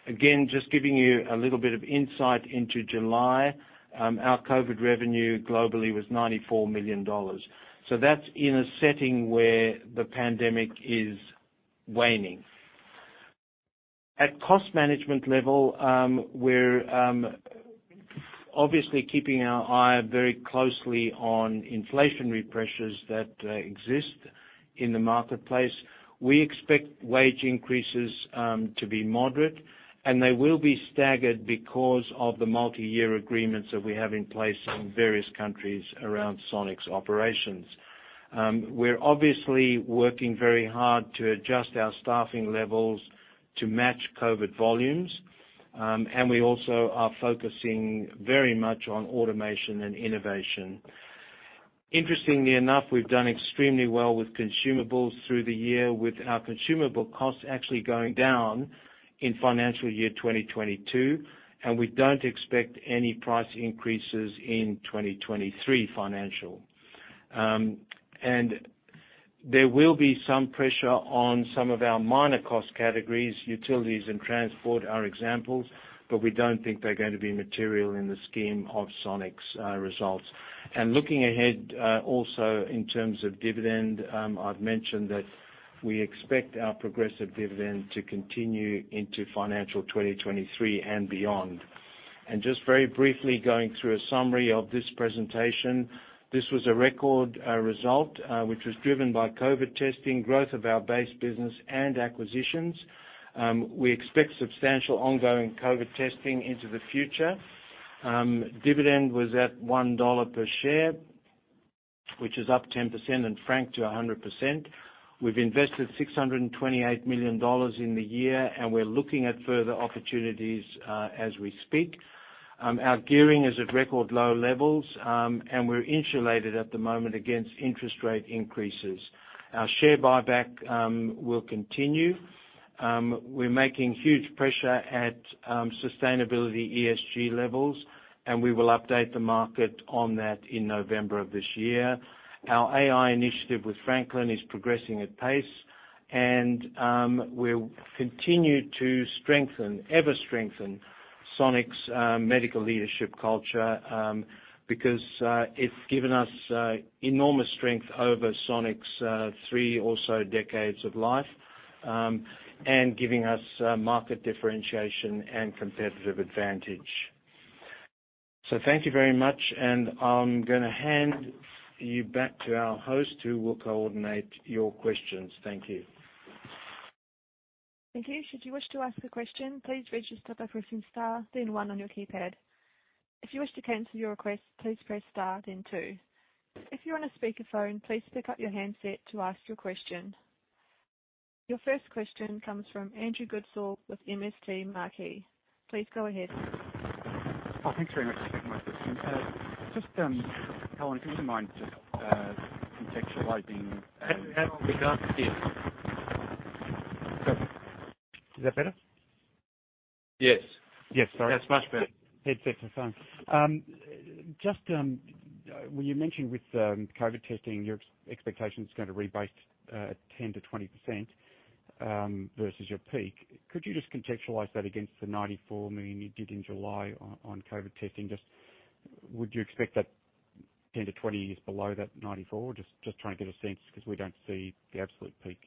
Again, just giving you a little bit of insight into July, our COVID revenue globally was 94 million dollars. That's in a setting where the pandemic is waning. At cost management level, we're obviously keeping our eye very closely on inflationary pressures that exist in the marketplace. We expect wage increases to be moderate, and they will be staggered because of the multi-year agreements that we have in place in various countries around Sonic's operations. We're obviously working very hard to adjust our staffing levels to match COVID volumes. We also are focusing very much on automation and innovation. Interestingly enough, we've done extremely well with consumables through the year, with our consumable costs actually going down in financial year 2022, and we don't expect any price increases in 2023 financial. There will be some pressure on some of our minor cost categories. Utilities and transport are examples, but we don't think they're gonna be material in the scheme of Sonic's results. Looking ahead, also in terms of dividend, I've mentioned that we expect our progressive dividend to continue into financial 2023 and beyond. Just very briefly, going through a summary of this presentation. This was a record result, which was driven by COVID testing, growth of our base business, and acquisitions. We expect substantial ongoing COVID testing into the future. Dividend was at 1 dollar per share, which is up 10%, and franked to 100%. We've invested 628 million dollars in the year, and we're looking at further opportunities as we speak. Our gearing is at record low levels, and we're insulated at the moment against interest rate increases. Our share buyback will continue. We're making huge progress at sustainability ESG levels, and we will update the market on that in November of this year. Our AI initiative with Franklin.ai is progressing at pace, and we'll continue to strengthen Sonic's medical leadership culture, because it's given us enormous strength over Sonic's three or so decades of life, and giving us market differentiation and competitive advantage. Thank you very much, and I'm gonna hand you back to our host, who will coordinate your questions. Thank you. Thank you. Should you wish to ask a question, please register by pressing star then one on your keypad. If you wish to cancel your request, please press star then two. If you're on a speakerphone, please pick up your handset to ask your question. Your first question comes from Andrew Goodsall with MST Marquee. Please go ahead. Oh, thanks very much. Thank you for my question. Just, Helen, do you mind just, contextualizing How loud is that? Yes. Is that better? Yes. Yes, sorry. That's much better. Headsets are fun. Just, when you mentioned with COVID testing, your expectation is gonna rebase 10%-20% versus your peak. Could you just contextualize that against the 94 million you did in July on COVID testing? Just, would you expect that 10%-20% below that 94? Just trying to get a sense, 'cause we don't see the absolute peak.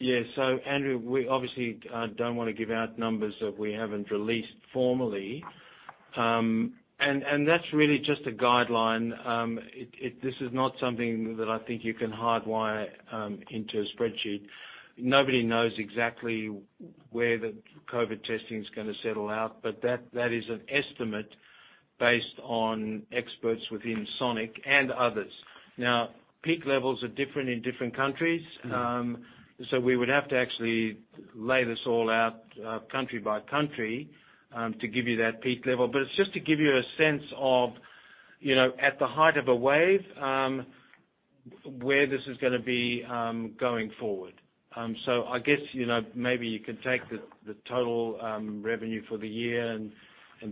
Yeah. Andrew, we obviously don't wanna give out numbers that we haven't released formally. And that's really just a guideline. This is not something that I think you can hardwire into a spreadsheet. Nobody knows exactly where the COVID testing is gonna settle out, but that is an estimate based on experts within Sonic and others. Now, peak levels are different in different countries. Mm-hmm. We would have to actually lay this all out country by country to give you that peak level. It's just to give you a sense of, you know, at the height of a wave where this is gonna be going forward. I guess, you know, maybe you could take the total revenue for the year and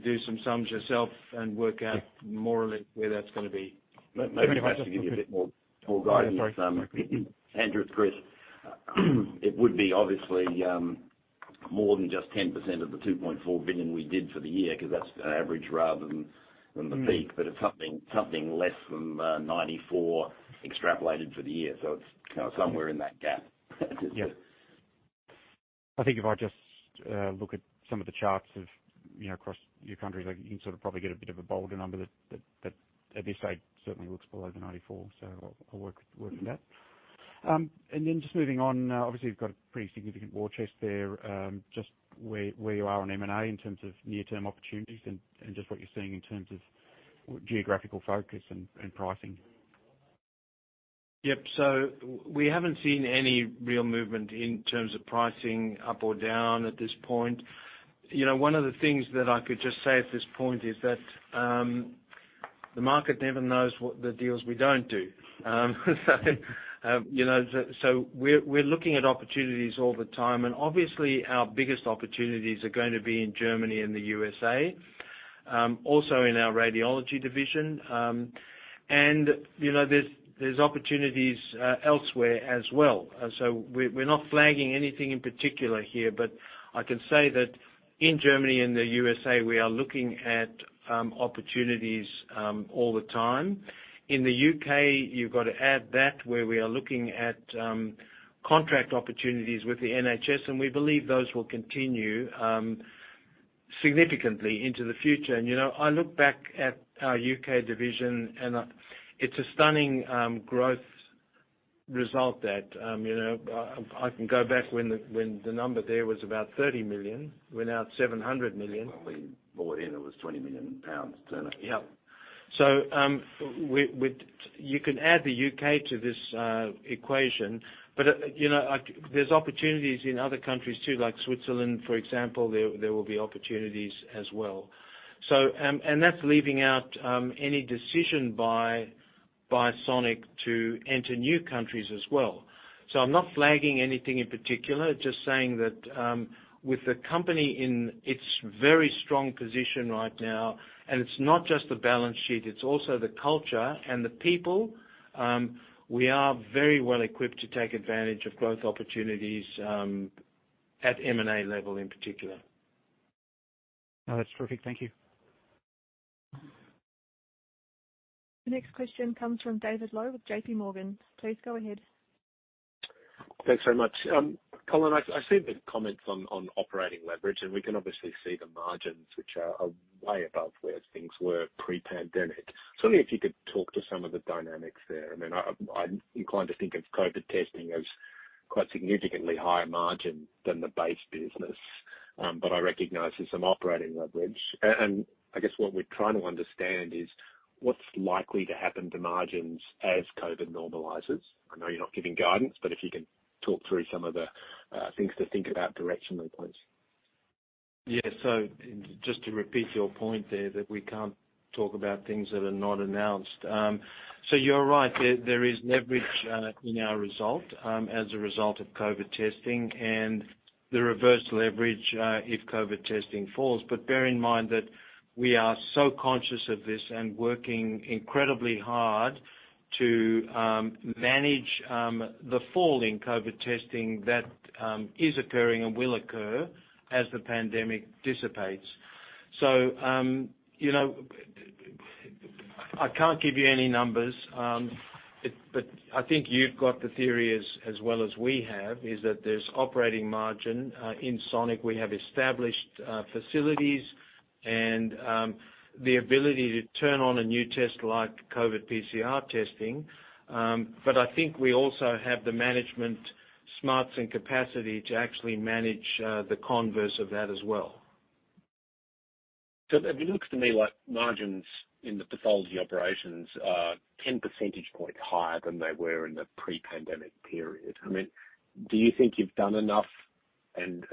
do some sums yourself and work out more or less where that's gonna be. Maybe if I just- Maybe I can actually give you a bit more guidance. Yeah, sorry. Andrew, it's Chris. It would be obviously more than just 10% of the 2.4 billion we did for the year, 'cause that's the average rather than the peak. Mm. It's something less than 94 extrapolated for the year. It's, you know, somewhere in that gap. Yeah. I think if I just look at some of the charts of, you know, across your countries, like you can sort of probably get a bit of a bolder number that at this stage certainly looks below the 94%, so I'll work with that. Just moving on, obviously you've got a pretty significant war chest there. Just where you are on M&A in terms of near-term opportunities and just what you're seeing in terms of geographical focus and pricing. Yep. We haven't seen any real movement in terms of pricing up or down at this point. You know, one of the things that I could just say at this point is that, the market never knows what the deals we don't do. You know, we're looking at opportunities all the time. Obviously our biggest opportunities are going to be in Germany and the U.S.A., also in our radiology division. You know, there's opportunities elsewhere as well. We're not flagging anything in particular here, but I can say that in Germany and the U.S.A., we are looking at opportunities all the time. In the U.K., you've got to add that where we are looking at contract opportunities with the NHS, and we believe those will continue significantly into the future. You know, I look back at our U.K. division and it's a stunning growth result that you know I can go back when the number there was about 30 million, we're now at 700 million. When we bought in, it was 20 million pounds, wasn't it? Yeah. You can add the U.K., to this equation. You know, there's opportunities in other countries too, like Switzerland, for example, there will be opportunities as well. That's leaving out any decision by Sonic to enter new countries as well. I'm not flagging anything in particular, just saying that with the company in its very strong position right now, and it's not just the balance sheet, it's also the culture and the people, we are very well equipped to take advantage of growth opportunities at M&A level in particular. No, that's perfect. Thank you. The next question comes from David Loeb with JPMorgan. Please go ahead. Thanks very much. Colin, I see the comments on operating leverage, and we can obviously see the margins, which are way above where things were pre-pandemic. Just wondering if you could talk to some of the dynamics there. I mean, I'm inclined to think of COVID testing as quite significantly higher margin than the base business. But I recognize there's some operating leverage. And I guess what we're trying to understand is what's likely to happen to margins as COVID normalizes? I know you're not giving guidance, but if you can talk through some of the things to think about directionally, please. Yeah. Just to repeat your point there, that we can't talk about things that are not announced. You're right. There is leverage in our result as a result of COVID testing and the reverse leverage if COVID testing falls. Bear in mind that we are so conscious of this and working incredibly hard to manage the fall in COVID testing that is occurring and will occur as the pandemic dissipates. You know, I can't give you any numbers, but I think you've got the theory as well as we have, is that there's operating margin. In Sonic, we have established facilities and the ability to turn on a new test like COVID PCR testing. I think we also have the management smarts and capacity to actually manage the converse of that as well. It looks to me like margins in the pathology operations are 10 percentage points higher than they were in the pre-pandemic period. I mean, do you think you've done enough and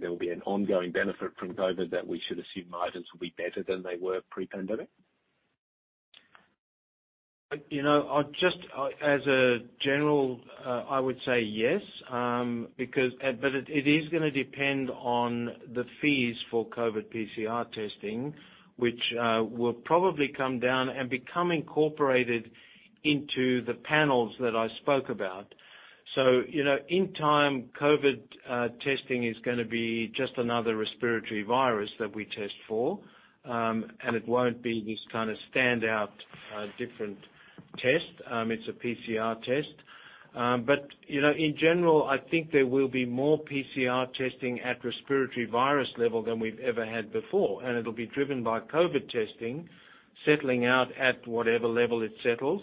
there will be an ongoing benefit from COVID that we should assume margins will be better than they were pre-pandemic? You know, in general, I would say yes because it is gonna depend on the fees for COVID PCR testing, which will probably come down and become incorporated into the panels that I spoke about. You know, in time, COVID testing is gonna be just another respiratory virus that we test for. It won't be this kind of standout different test. It's a PCR test. You know, in general, I think there will be more PCR testing at respiratory virus level than we've ever had before. It'll be driven by COVID testing, settling out at whatever level it settles,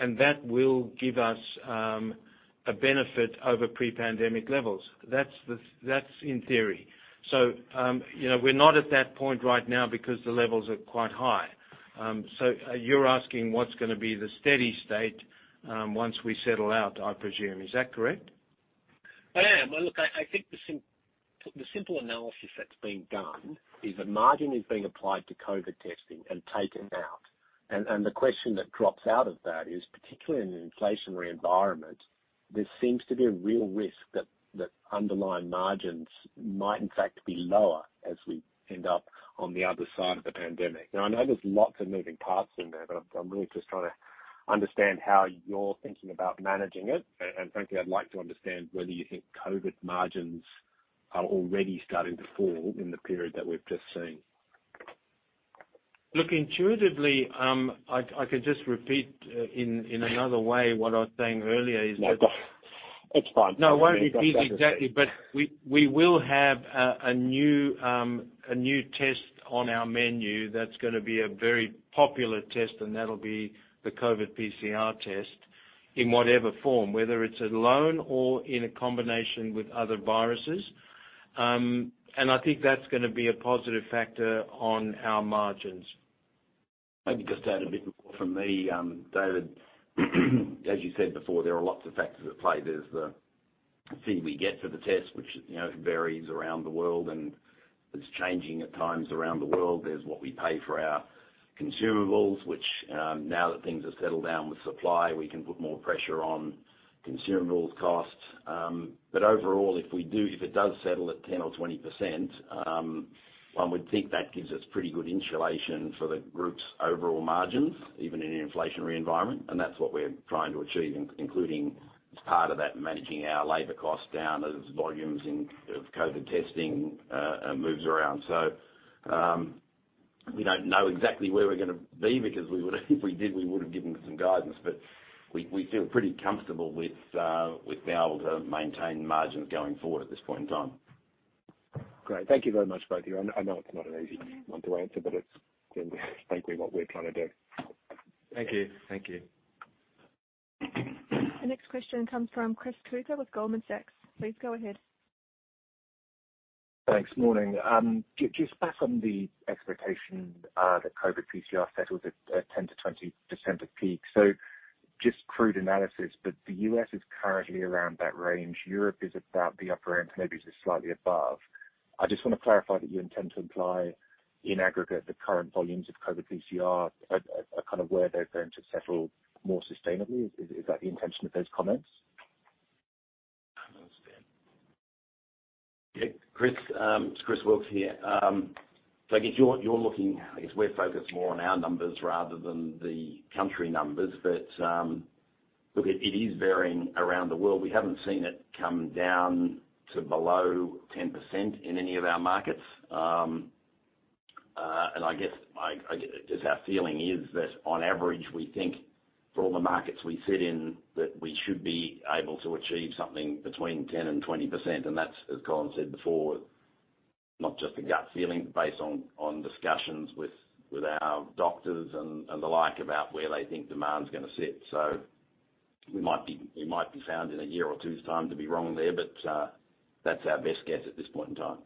and that will give us a benefit over pre-pandemic levels. That's in theory. You know, we're not at that point right now because the levels are quite high. You're asking what's gonna be the steady state, once we settle out, I presume. Is that correct? I am. Well, look, I think the simple analysis that's been done is a margin is being applied to COVID testing and taken out. The question that drops out of that is, particularly in an inflationary environment, there seems to be a real risk that underlying margins might in fact be lower as we end up on the other side of the pandemic. Now, I know there's lots of moving parts in there, but I'm really just trying to understand how you're thinking about managing it. Frankly, I'd like to understand whether you think COVID margins are already starting to fall in the period that we've just seen. Look, intuitively, I can just repeat, in another way what I was saying earlier is that. No, go on. It's fine. No, I won't repeat exactly. We will have a new test on our menu that's gonna be a very popular test, and that'll be the COVID PCR test in whatever form, whether it's alone or in a combination with other viruses. I think that's gonna be a positive factor on our margins. Maybe just add a bit more from me, David. As you said before, there are lots of factors at play. There's the fee we get for the test, which, you know, varies around the world, and it's changing at times around the world. There's what we pay for our consumables, which, now that things have settled down with supply, we can put more pressure on consumables costs. Overall, if it does settle at 10% or 20%, one would think that gives us pretty good insulation for the group's overall margins, even in an inflationary environment, and that's what we're trying to achieve, including as part of that, managing our labor costs down as volumes in of COVID testing moves around. We don't know exactly where we're gonna be because we would have given some guidance. We feel pretty comfortable with being able to maintain margins going forward at this point in time. Great. Thank you very much, both of you. I know it's not an easy one to answer, but it's certainly frankly what we're trying to do. Thank you. Thank you. The next question comes from Chris Cooper with Goldman Sachs. Please go ahead. Thanks. Morning. Just back on the expectation that COVID PCR settles at 10%-20% of peak. Just crude analysis, but the U.S., is currently around that range. Europe is about the upper end, maybe just slightly above. I just wanna clarify that you intend to imply in aggregate, the current volumes of COVID PCR are kind of where they're going to settle more sustainably. Is that the intention of those comments? Yeah. Chris, it's Chris Wilks here. I guess we're focused more on our numbers rather than the country numbers. Look, it is varying around the world. We haven't seen it come down to below 10% in any of our markets. I guess our feeling is that on average, we think for all the markets we sit in, that we should be able to achieve something between 10%-20%. That's, as Colin said before, not just a gut feeling, but based on discussions with our doctors and the like about where they think demand's gonna sit. We might be found in a year or two's time to be wrong there, but that's our best guess at this point in time.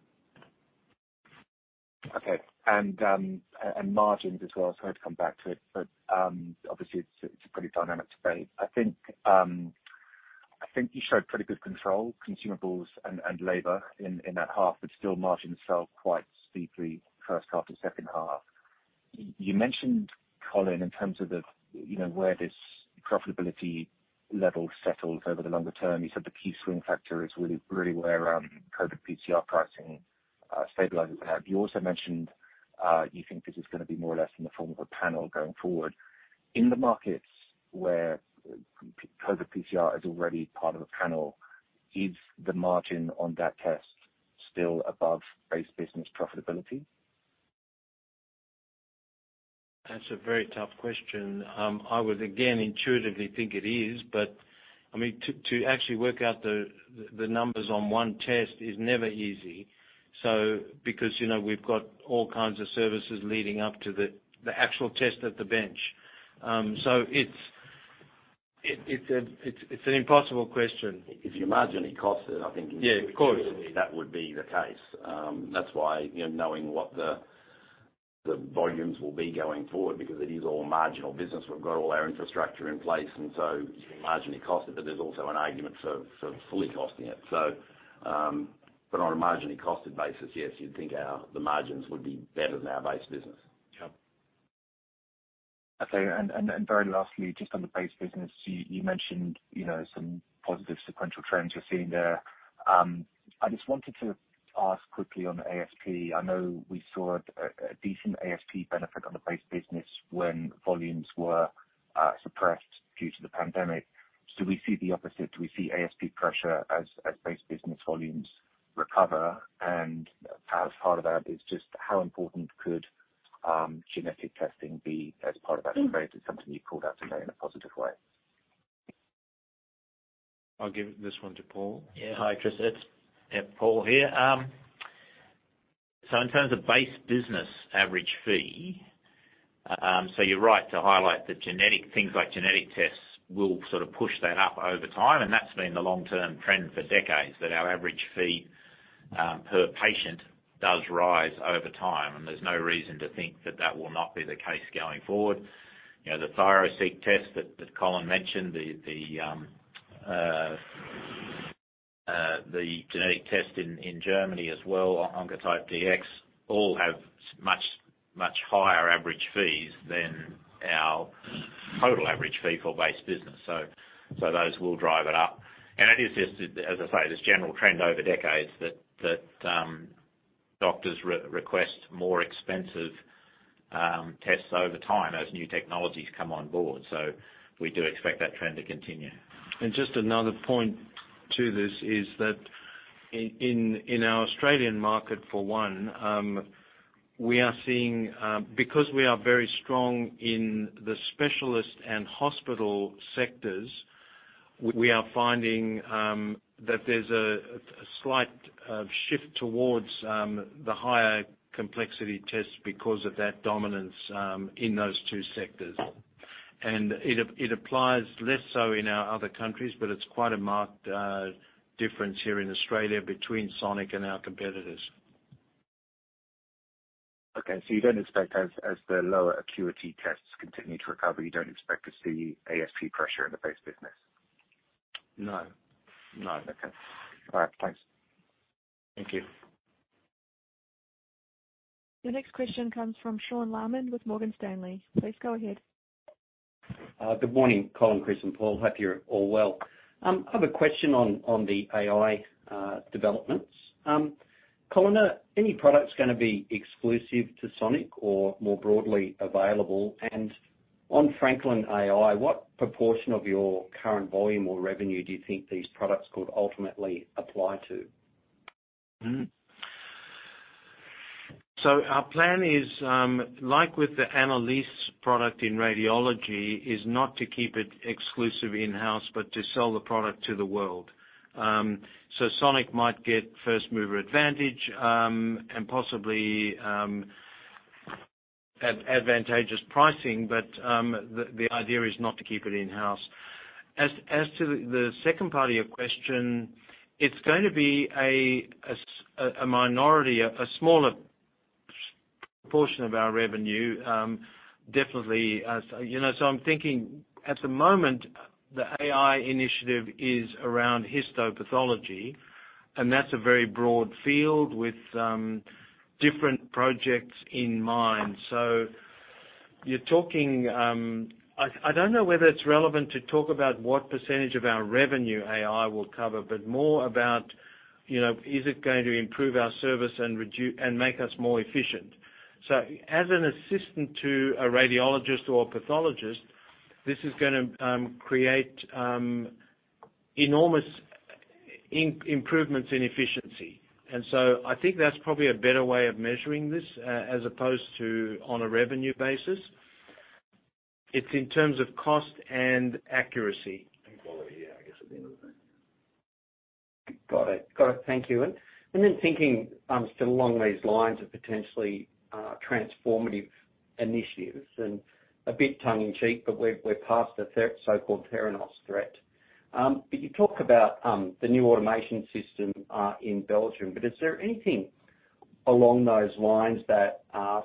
Margins as well. Sorry to come back to it, but obviously it's a pretty dynamic debate. I think you showed pretty good control, consumables and labor in that half, but still margins fell quite steeply first half to second half. You mentioned, Colin Goldschmidt, in terms of the, you know, where this profitability level settles over the longer term. You said the key swing factor is really where COVID PCR pricing stabilizes ahead. You also mentioned you think this is gonna be more or less in the form of a panel going forward. In the markets where COVID PCR is already part of a panel, is the margin on that test still above base business profitability? That's a very tough question. I would again, intuitively think it is, but I mean, to actually work out the numbers on one test is never easy. Because, you know, we've got all kinds of services leading up to the actual test at the bench. It's an impossible question. If you margin the cost, then I think. Yeah, of course. that would be the case. That's why, you know, knowing what the volumes will be going forward, because it is all marginal business. We've got all our infrastructure in place, and so you can marginally cost it, but there's also an argument for fully costing it. On a marginally costed basis, yes, you'd think the margins would be better than our base business. Sure. Okay. Very lastly, just on the base business, you mentioned, you know, some positive sequential trends you're seeing there. I just wanted to ask quickly on ASP. I know we saw a decent ASP benefit on the base business when volumes were suppressed due to the pandemic. Do we see the opposite? Do we see ASP pressure as base business volumes recover? As part of that is just how important could genetic testing be as part of that trade is something you called out today in a positive way. I'll give this one to Paul. Hi, Chris. It's Paul here. In terms of base business average fee, you're right to highlight that genetic things like genetic tests will sort of push that up over time, and that's been the long-term trend for decades that our average fee per patient does rise over time. There's no reason to think that that will not be the case going forward. You know, the ThyroSeq test that Colin mentioned, the genetic test in Germany as well, Oncotype DX, all have much higher average fees than our total average fee for base business. Those will drive it up. It is just, as I say, this general trend over decades that doctors request more expensive tests over time as new technologies come on board. We do expect that trend to continue. Just another point to this is that in our Australian market, for one, we are seeing, because we are very strong in the specialist and hospital sectors, we are finding that there's a slight shift towards the higher complexity tests because of that dominance in those two sectors. It applies less so in our other countries, but it's quite a marked difference here in Australia between Sonic and our competitors. Okay. You don't expect as the lower acuity tests continue to recover, you don't expect to see ASP pressure in the base business? No, no. Okay. All right. Thanks. Thank you. The next question comes from Sean Laaman with Morgan Stanley. Please go ahead. Good morning, Colin, Chris, and Paul. Hope you're all well. I have a question on the AI developments. Colin, are any products gonna be exclusive to Sonic or more broadly available? On Franklin.ai, what proportion of your current volume or revenue do you think these products could ultimately apply to? Mm-hmm. Our plan is, like with the Annalise.ai product in radiology, is not to keep it exclusive in-house, but to sell the product to the world. Sonic might get first mover advantage, and possibly advantageous pricing, but the idea is not to keep it in-house. As to the second part of your question, it's going to be a smaller proportion of our revenue, definitely. You know, I'm thinking at the moment, the AI initiative is around histopathology, and that's a very broad field with different projects in mind. You're talking. I don't know whether it's relevant to talk about what percentage of our revenue AI will cover, but more about, you know, is it going to improve our service and make us more efficient. As an assistant to a radiologist or a pathologist, this is gonna create enormous improvements in efficiency. I think that's probably a better way of measuring this, as opposed to on a revenue basis. It's in terms of cost and accuracy. Quality, yeah, I guess at the end of the day. Got it. Thank you. Thinking still along these lines of potentially transformative initiatives and a bit tongue in cheek, we're past the so-called Theranos threat. You talk about the new automation system in Belgium. Is there anything along those lines that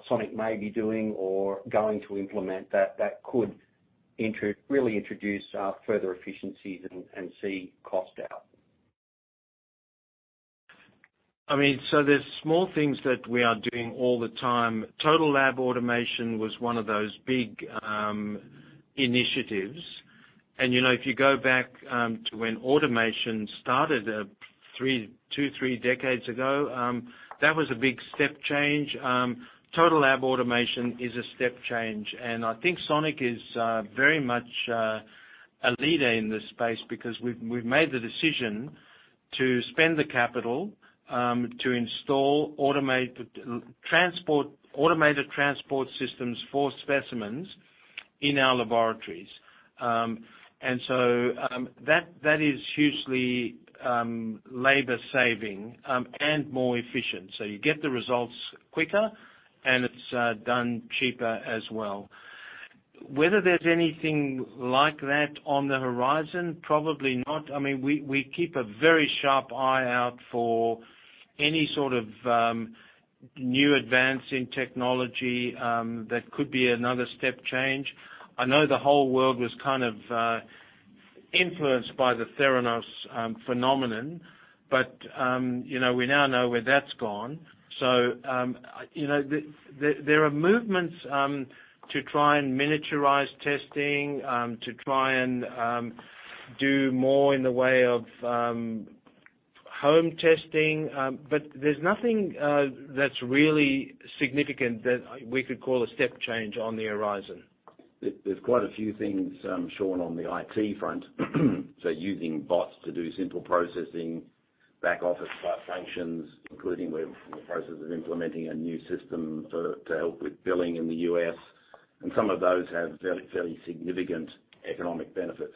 Sonic may be doing or going to implement that could really introduce further efficiencies and see cost out? I mean, there's small things that we are doing all the time. Total Laboratory Automation was one of those big initiatives. You know, if you go back to when automation started two or three decades ago, that was a big step change. Total Laboratory Automation is a step change, and I think Sonic is very much a leader in this space because we've made the decision to spend the capital to install automated transport systems for specimens in our laboratories. That is hugely labor-saving and more efficient. You get the results quicker, and it's done cheaper as well. Whether there's anything like that on the horizon, probably not. I mean, we keep a very sharp eye out for any sort of new advance in technology that could be another step change. I know the whole world was kind of influenced by the Theranos phenomenon, but you know, we now know where that's gone. You know, there are movements to try and miniaturize testing to try and do more in the way of home testing, but there's nothing that's really significant that we could call a step change on the horizon. There's quite a few things, Sean, on the IT front. Using bots to do simple processing, back office type functions, including we're in the process of implementing a new system to help with billing in the U.S., and some of those have fairly significant economic benefits.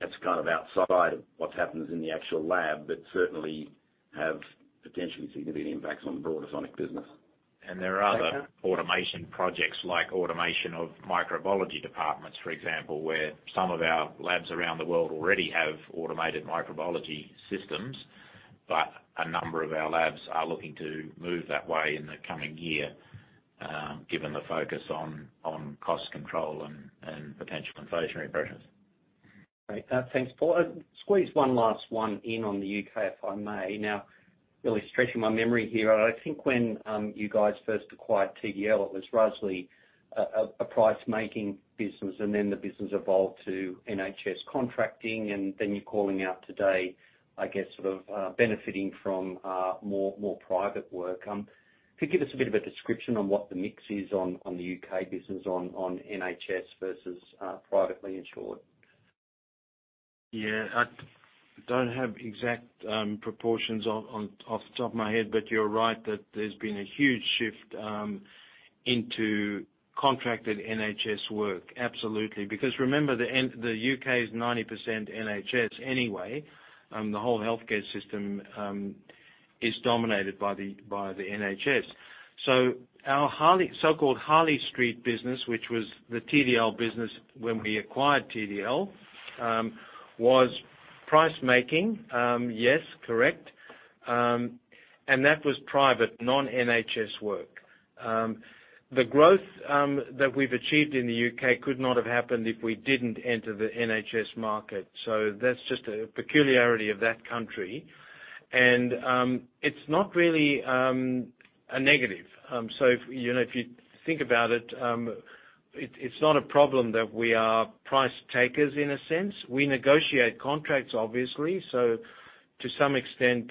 That's kind of outside what happens in the actual lab, but certainly have potentially significant impacts on the broader Sonic business. And there are other- Okay. Automation projects like automation of microbiology departments, for example, where some of our labs around the world already have automated microbiology systems, but a number of our labs are looking to move that way in the coming year, given the focus on cost control and potential inflationary pressures. Great. Thanks, Paul. Squeeze one last one in on the U.K., if I may. Now, really stretching my memory here. I think when you guys first acquired TDL, it was largely a price making business, and then the business evolved to NHS contracting, and then you're calling out today, I guess, sort of, benefiting from more private work. Could you give us a bit of a description on what the mix is on the U.K., business on NHS versus privately insured? Yeah. I don't have exact proportions off the top of my head, but you're right that there's been a huge shift into contracted NHS work. Absolutely. Because remember, the UK is 90% NHS anyway. The whole healthcare system is dominated by the NHS. Our so-called Harley Street business, which was the TDL business when we acquired TDL, was price making. Yes, correct. That was private, non-NHS work. The growth that we've achieved in the U.K., could not have happened if we didn't enter the NHS market. That's just a peculiarity of that country. It's not really a negative. If you know, if you think about it's not a problem that we are price takers in a sense. We negotiate contracts, obviously. To some extent,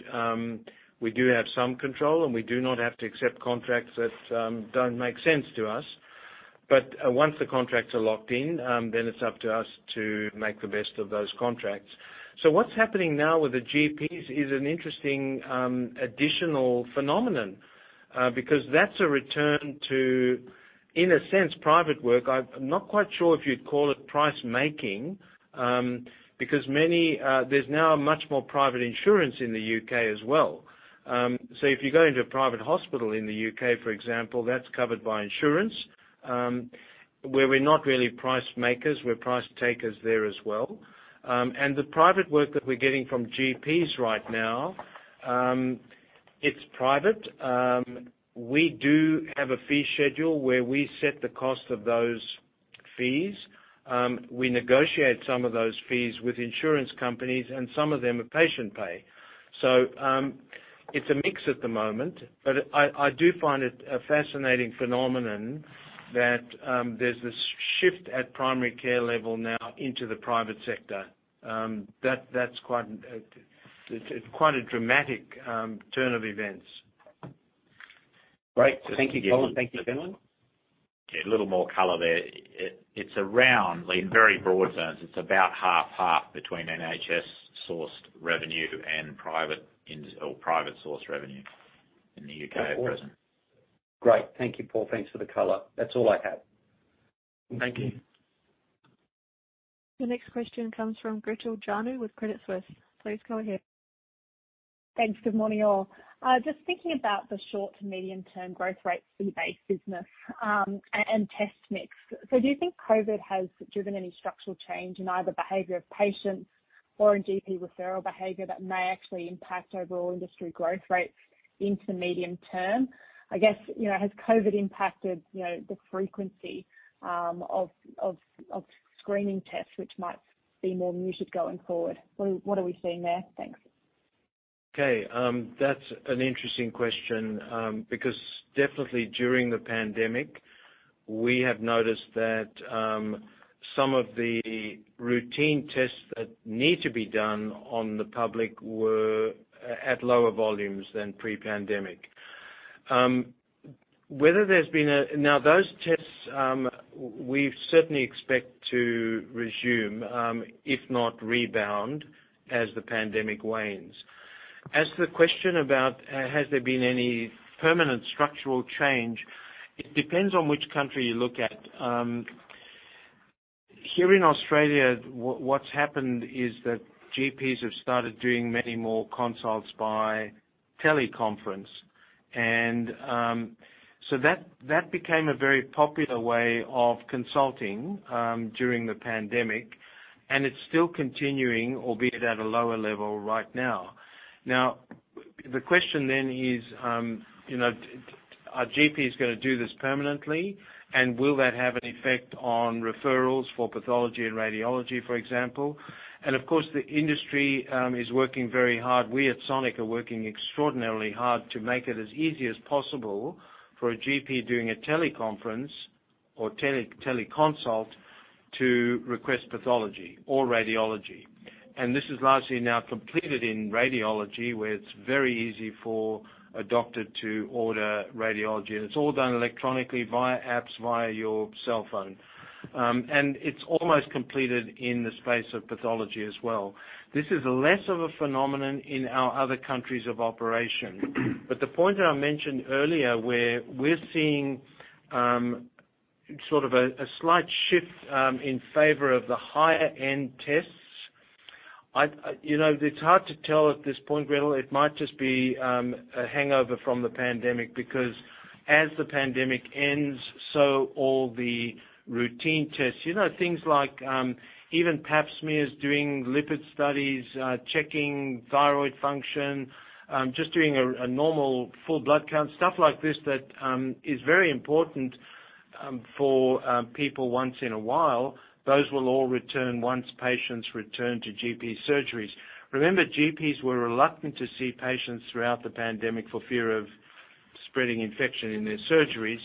we do have some control, and we do not have to accept contracts that don't make sense to us. Once the contracts are locked in, then it's up to us to make the best of those contracts. What's happening now with the GPs is an interesting additional phenomenon, because that's a return to, in a sense, private work. I'm not quite sure if you'd call it price making. There's now much more private insurance in the U.K. as well. If you go into a private hospital in the U.K., for example, that's covered by insurance, where we're not really price makers, we're price takers there as well. The private work that we're getting from GPs right now, it's private. We do have a fee schedule where we set the cost of those fees. We negotiate some of those fees with insurance companies, and some of them are patient pay. It's a mix at the moment, but I do find it a fascinating phenomenon that there's this shift at primary care level now into the private sector. That's quite a dramatic turn of events. Great. Thank you, Colin. Thank you, gentlemen. A little more color there. It's around, in very broad terms, it's about half and half between NHS-sourced revenue and private source revenue in the U.K., at present. Great. Thank you, Paul. Thanks for the color. That's all I have. Thank you. The next question comes from Gretel Janu with Credit Suisse. Please go ahead. Thanks. Good morning, y'all. Just thinking about the short to medium-term growth rates for your base business, and test mix. Do you think COVID has driven any structural change in either behavior of patients or in GP referral behavior that may actually impact overall industry growth rates into the medium term? I guess, you know, has COVID impacted, you know, the frequency of screening tests, which might be more muted going forward? What are we seeing there? Thanks. Okay. That's an interesting question, because definitely during the pandemic, we have noticed that some of the routine tests that need to be done on the public were at lower volumes than pre-pandemic. Now, those tests, we certainly expect to resume, if not rebound as the pandemic wanes. As to the question about has there been any permanent structural change, it depends on which country you look at. Here in Australia, what's happened is that GPs have started doing many more consults by teleconference. So that became a very popular way of consulting during the pandemic, and it's still continuing, albeit at a lower level right now. Now, the question then is, you know, are GPs gonna do this permanently? Will that have an effect on referrals for pathology and radiology, for example? Of course, the industry is working very hard. We at Sonic are working extraordinarily hard to make it as easy as possible for a GP doing a teleconference or teleconsult to request pathology or radiology. This is largely now completed in radiology, where it's very easy for a doctor to order radiology, and it's all done electronically via apps, via your cell phone. It's almost completed in the space of pathology as well. This is less of a phenomenon in our other countries of operation. The point that I mentioned earlier where we're seeing sort of a slight shift in favor of the higher-end tests, you know, it's hard to tell at this point, Gretel. It might just be a hangover from the pandemic because as the pandemic ends, so all the routine tests, you know, things like even Pap smears, doing lipid studies, checking thyroid function, just doing a normal full blood count, stuff like this that is very important for people once in a while, those will all return once patients return to GP surgeries. Remember, GPs were reluctant to see patients throughout the pandemic for fear of spreading infection in their surgeries,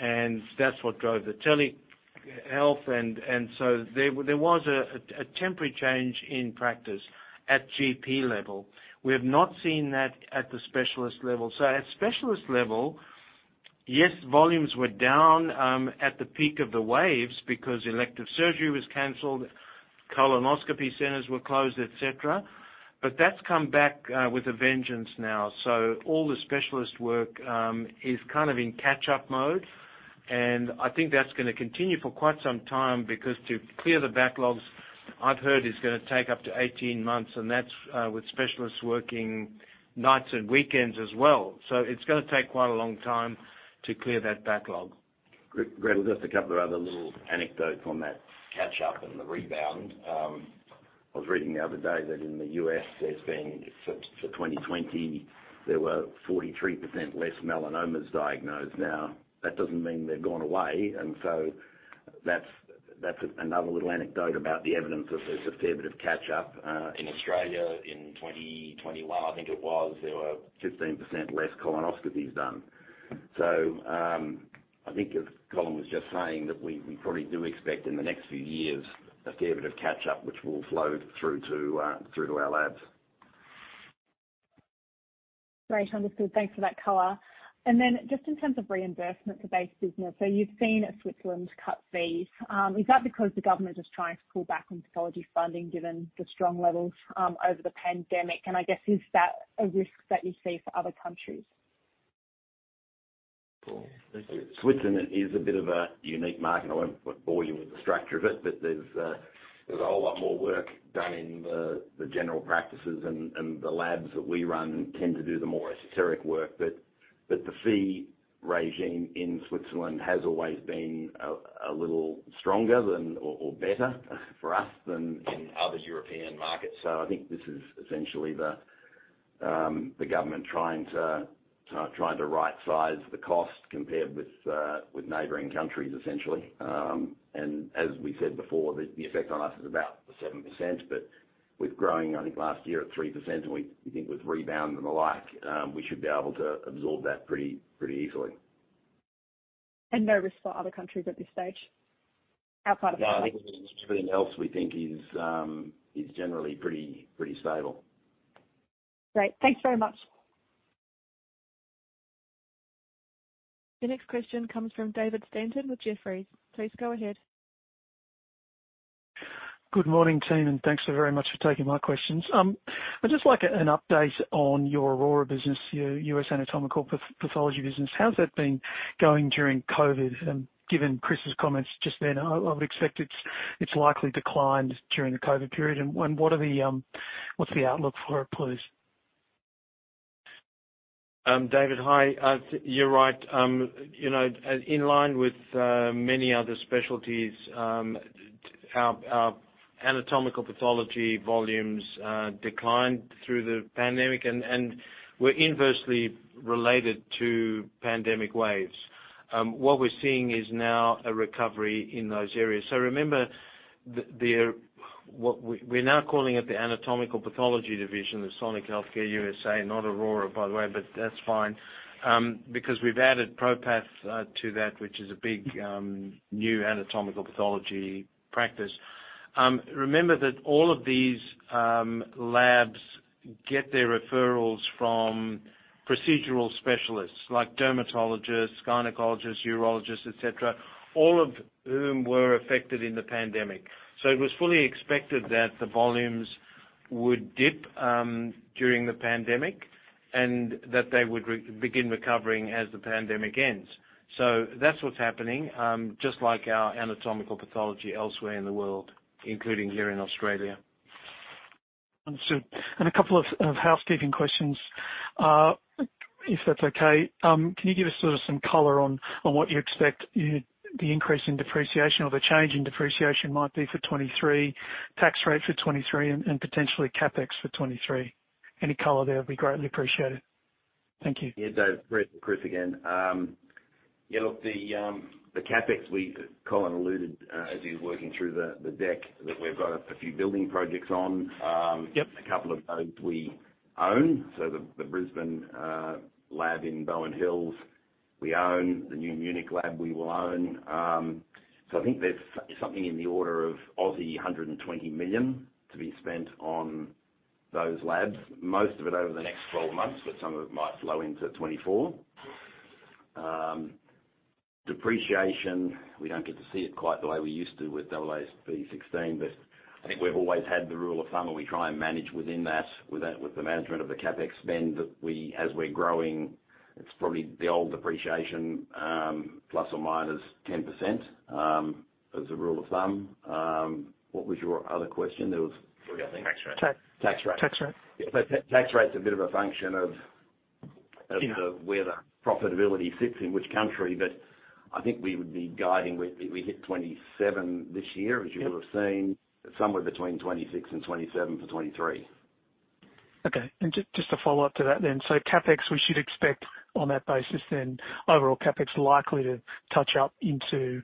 and that's what drove the telehealth and so there was a temporary change in practice at GP level. We have not seen that at the specialist level. At specialist level, yes, volumes were down at the peak of the waves because elective surgery was canceled, colonoscopy centers were closed, et cetera, but that's come back with a vengeance now. All the specialist work is kind of in catch-up mode. I think that's gonna continue for quite some time because to clear the backlogs, I've heard it's gonna take up to 18 months, and that's with specialists working nights and weekends as well. It's gonna take quite a long time to clear that backlog. Gretel, just a couple other little anecdotes on that catch-up and the rebound. I was reading the other day that in the U.S., for 2020, there were 43% less melanomas diagnosed. Now, that doesn't mean they've gone away, and so that's another little anecdote about the evidence that there's a fair bit of catch-up. In Australia in 2021, I think it was, there were 15% less colonoscopies done. I think as Colin was just saying, we probably do expect in the next few years a fair bit of catch-up, which will flow through to our labs. Great. Understood. Thanks for that color. Just in terms of reimbursement for base business, so you've seen Switzerland cut fees. Is that because the government is trying to pull back on pathology funding given the strong levels over the pandemic? I guess, is that a risk that you see for other countries? Switzerland is a bit of a unique market. I won't bore you with the structure of it, but there's a whole lot more work done in the general practices and the labs that we run and tend to do the more esoteric work. The fee regime in Switzerland has always been a little stronger than, or better for us than in other European markets. I think this is essentially the government trying to right-size the cost compared with neighboring countries, essentially. As we said before, the effect on us is about 7%, but with growth, I think, last year at 3%, and we think with rebound and the like, we should be able to absorb that pretty easily. No risk for other countries at this stage, outside of Switzerland? No, I think everything else we think is generally pretty stable. Great. Thanks very much. The next question comes from David Stanton with Jefferies. Please go ahead. Good morning, team, and thanks very much for taking my questions. I'd just like an update on your Aurora business, your U.S., anatomical pathology business. How's that been going during COVID? Given Chris's comments just then, I would expect it's likely declined during the COVID period. What's the outlook for it, please? David, hi. You're right. You know, in line with many other specialties, our anatomical pathology volumes declined through the pandemic and were inversely related to pandemic waves. What we're seeing is now a recovery in those areas. Remember we're now calling it the anatomical pathology division of Sonic Healthcare U.S.A., Not Aurora, by the way, but that's fine. Because we've added ProPath to that, which is a big new anatomical pathology practice. Remember that all of these labs get their referrals from procedural specialists like dermatologists, gynecologists, urologists, et cetera, all of whom were affected in the pandemic. It was fully expected that the volumes would dip during the pandemic and that they would begin recovering as the pandemic ends. That's what's happening, just like our anatomical pathology elsewhere in the world, including here in Australia. Understood. A couple of housekeeping questions, if that's okay. Can you give us sort of some color on what you expect in the increase in depreciation or the change in depreciation might be for 2023, tax rate for 2023 and potentially CapEx for 2023? Any color there would be greatly appreciated. Thank you. Yeah. Dave, Chris again. Yeah, look, the CapEx Colin alluded to as he's working through the deck, that we've got a few building projects on. Yep. A couple of those we own. The Brisbane lab in Bowen Hills, we own. The new Munich lab, we will own. I think there's something in the order of 120 million to be spent on those labs, most of it over the next 12 months, but some of it might flow into 2024. Depreciation, we don't get to see it quite the way we used to with AASB 16. I think we've always had the rule of thumb, and we try and manage within that, with the management of the CapEx spend, that we. As we're growing, it's probably the old depreciation, plus or minus 10%, as a rule of thumb. What was your other question? There was, I think. Tax rate. Ta- Tax rate. Tax rate. Tax rate's a bit of a function of the- Yeah. where the profitability sits in which country. I think we would be guiding, we hit 27% this year- Yep. As you will have seen. Somewhere between 26%-27% for 2023. Okay. Just a follow-up to that then. CapEx, we should expect on that basis then, overall CapEx likely to touch up into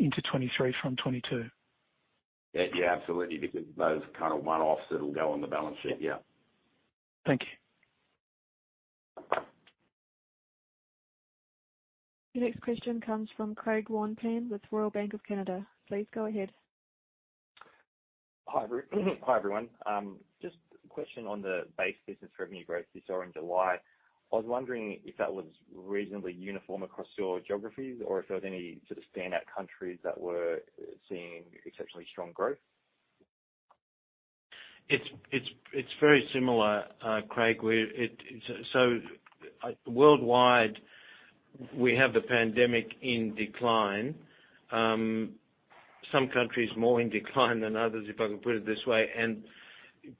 2023 from 2022. Yeah. Yeah, absolutely. Because those are kind of one-offs that'll go on the balance sheet. Yeah. Thank you. Your next question comes from Craig Wong-Pan with Royal Bank of Canada. Please go ahead. Hi, everyone. Just a question on the base business revenue growth this year in July. I was wondering if that was reasonably uniform across your geographies or if there were any sort of standout countries that were seeing exceptionally strong growth. It's very similar, Craig. Worldwide, we have the pandemic in decline. Some countries more in decline than others, if I can put it this way.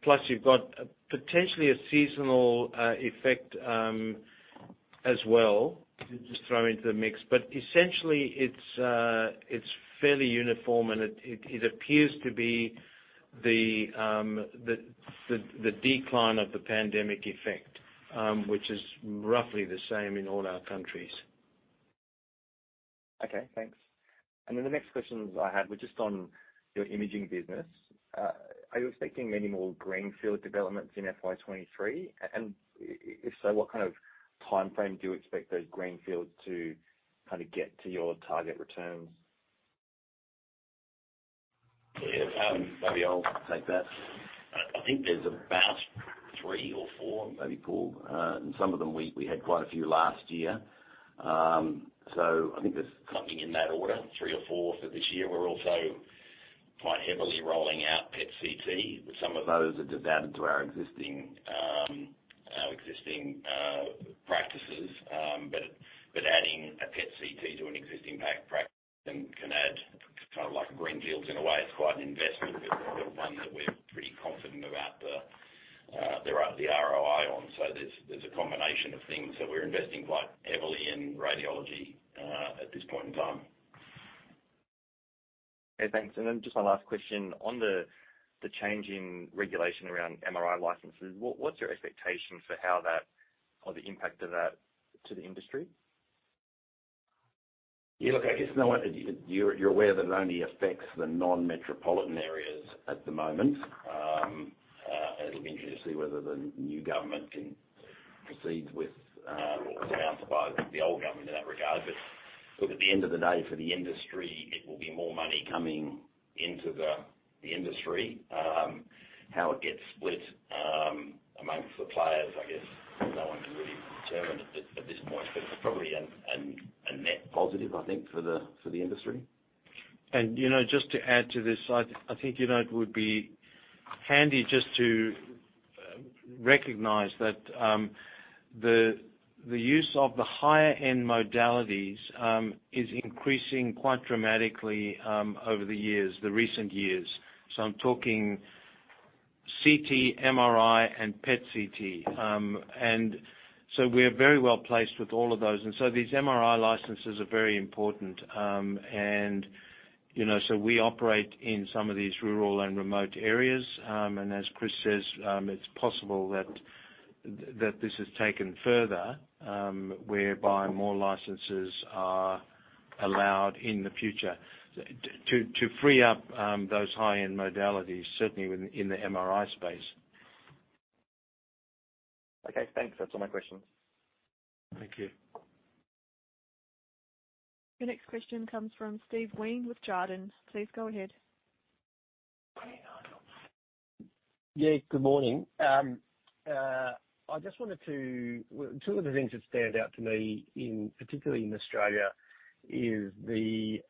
Plus, you've got potentially a seasonal effect, as well, just throw into the mix. Essentially, it's fairly uniform, and it appears to be the decline of the pandemic effect, which is roughly the same in all our countries. Okay, thanks. The next questions I had were just on your imaging business. Are you expecting any more greenfield developments in FY 2023? If so, what kind of timeframe do you expect those greenfields to kinda get to your target returns? Yeah. Maybe I'll take that. I think there's about three or four maybe, Paul. Some of them we had quite a few last year. I think there's something in that order, three or four for this year. We're also quite heavily rolling out PET/CT, but some of those are just added to our existing practices. Adding a PET/CT to an existing practice can add kind of like greenfields in a way. It's quite an investment, but they're ones that we're pretty confident about the ROI on. There's a combination of things that we're investing quite heavily in radiology at this point in time. Okay, thanks. Just my last question on the change in regulation around MRI licenses. What's your expectation for how that or the impact of that to the industry? Yeah, look, I guess no one. You're aware that it only affects the non-metropolitan areas at the moment. It'll be interesting to see whether the new government can proceed with what was announced by the old government in that regard. Look, at the end of the day, for the industry, it will be more money coming into the industry. How it gets split amongst the players, I guess no one can really determine at this point, but it's probably a net positive, I think, for the industry. You know, just to add to this. I think, you know, it would be handy just to recognize that the use of the higher end modalities is increasing quite dramatically over the years, the recent years. I'm talking CT, MRI, and PET/CT. We're very well-placed with all of those. These MRI licenses are very important. You know, we operate in some of these rural and remote areas. As Chris says, it's possible that this is taken further, whereby more licenses are allowed in the future to free up those high-end modalities, certainly in the MRI space. Okay, thanks. That's all my questions. Thank you. Your next question comes from Steven Wheen with Jarden. Please go ahead. Yeah, good morning. Two of the things that stand out to me in, particularly in Australia, is the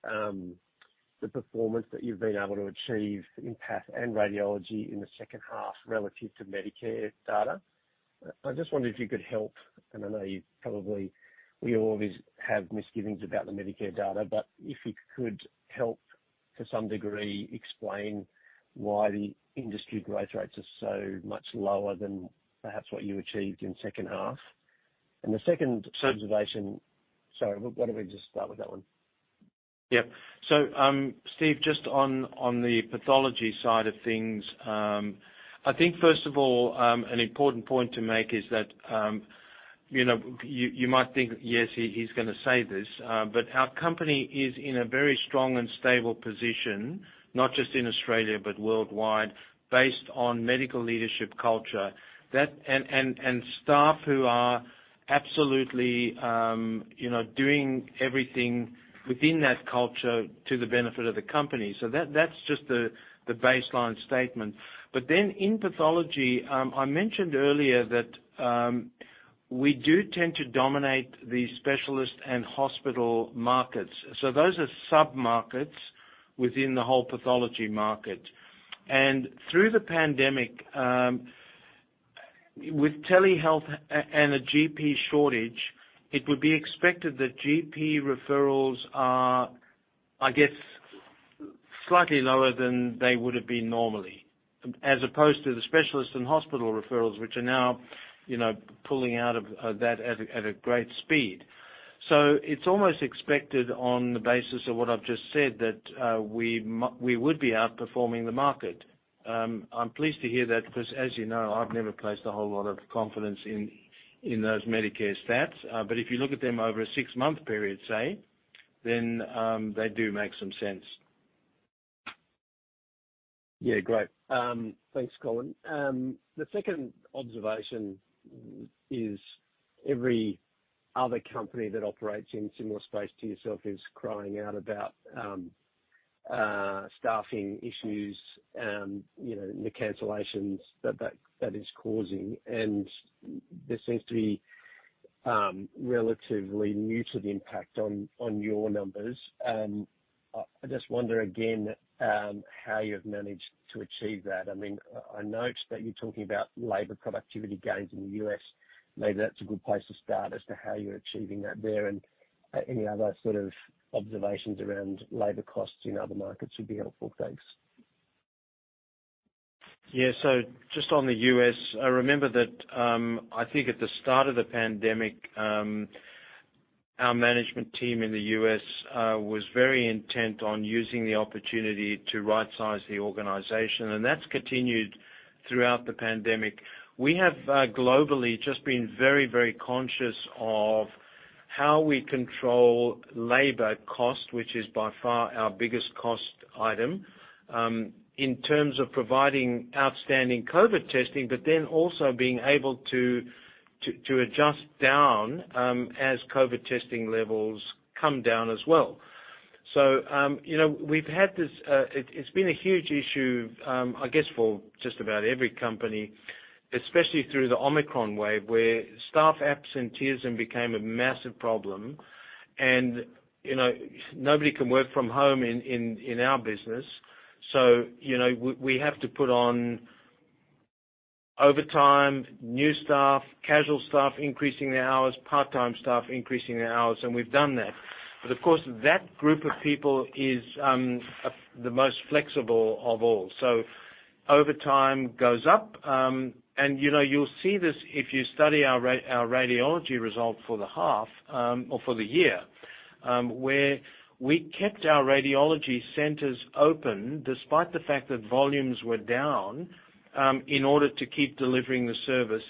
performance that you've been able to achieve in path and radiology in the second half relative to Medicare data. I just wondered if you could help, and I know we always have misgivings about the Medicare data, but if you could help to some degree explain why the industry growth rates are so much lower than perhaps what you achieved in second half. The second observation. Sorry, why don't we just start with that one? Steve, just on the pathology side of things, I think first of all, an important point to make is that. You know, you might think, yes, he's gonna say this, but our company is in a very strong and stable position, not just in Australia, but worldwide, based on medical leadership culture. That and staff who are absolutely, you know, doing everything within that culture to the benefit of the company. That's just the baseline statement. Then in pathology, I mentioned earlier that, we do tend to dominate the specialist and hospital markets. Those are sub-markets within the whole pathology market. Through the pandemic, with telehealth and a GP shortage, it would be expected that GP referrals are, I guess, slightly lower than they would have been normally, as opposed to the specialist and hospital referrals, which are now, you know, pulling out of that at a great speed. It's almost expected on the basis of what I've just said that we would be outperforming the market. I'm pleased to hear that because as you know, I've never placed a whole lot of confidence in those Medicare stats. If you look at them over a six-month period, say, then they do make some sense. Yeah. Great. Thanks, Colin. The second observation is every other company that operates in similar space to yourself is crying out about staffing issues and, you know, the cancellations that is causing. There seems to be relatively neutral impact on your numbers. I just wonder again how you've managed to achieve that. I mean, I note that you're talking about labor productivity gains in the U.S. Maybe that's a good place to start as to how you're achieving that there, and any other sort of observations around labor costs in other markets would be helpful. Thanks. Yeah. Just on the U.S., remember that, I think at the start of the pandemic, our management team in the U.S. was very intent on using the opportunity to right-size the organization, and that's continued throughout the pandemic. We have globally just been very, very conscious of how we control labor cost, which is by far our biggest cost item in terms of providing outstanding COVID testing, but then also being able to adjust down as COVID testing levels come down as well. You know, it's been a huge issue, I guess, for just about every company, especially through the Omicron wave, where staff absenteeism became a massive problem. You know, nobody can work from home in our business. You know, we have to put on overtime, new staff, casual staff increasing their hours, part-time staff increasing their hours, and we've done that. Of course, that group of people is the most flexible of all. Overtime goes up. You know, you'll see this if you study our radiology result for the half or for the year, where we kept our radiology centers open despite the fact that volumes were down in order to keep delivering the service.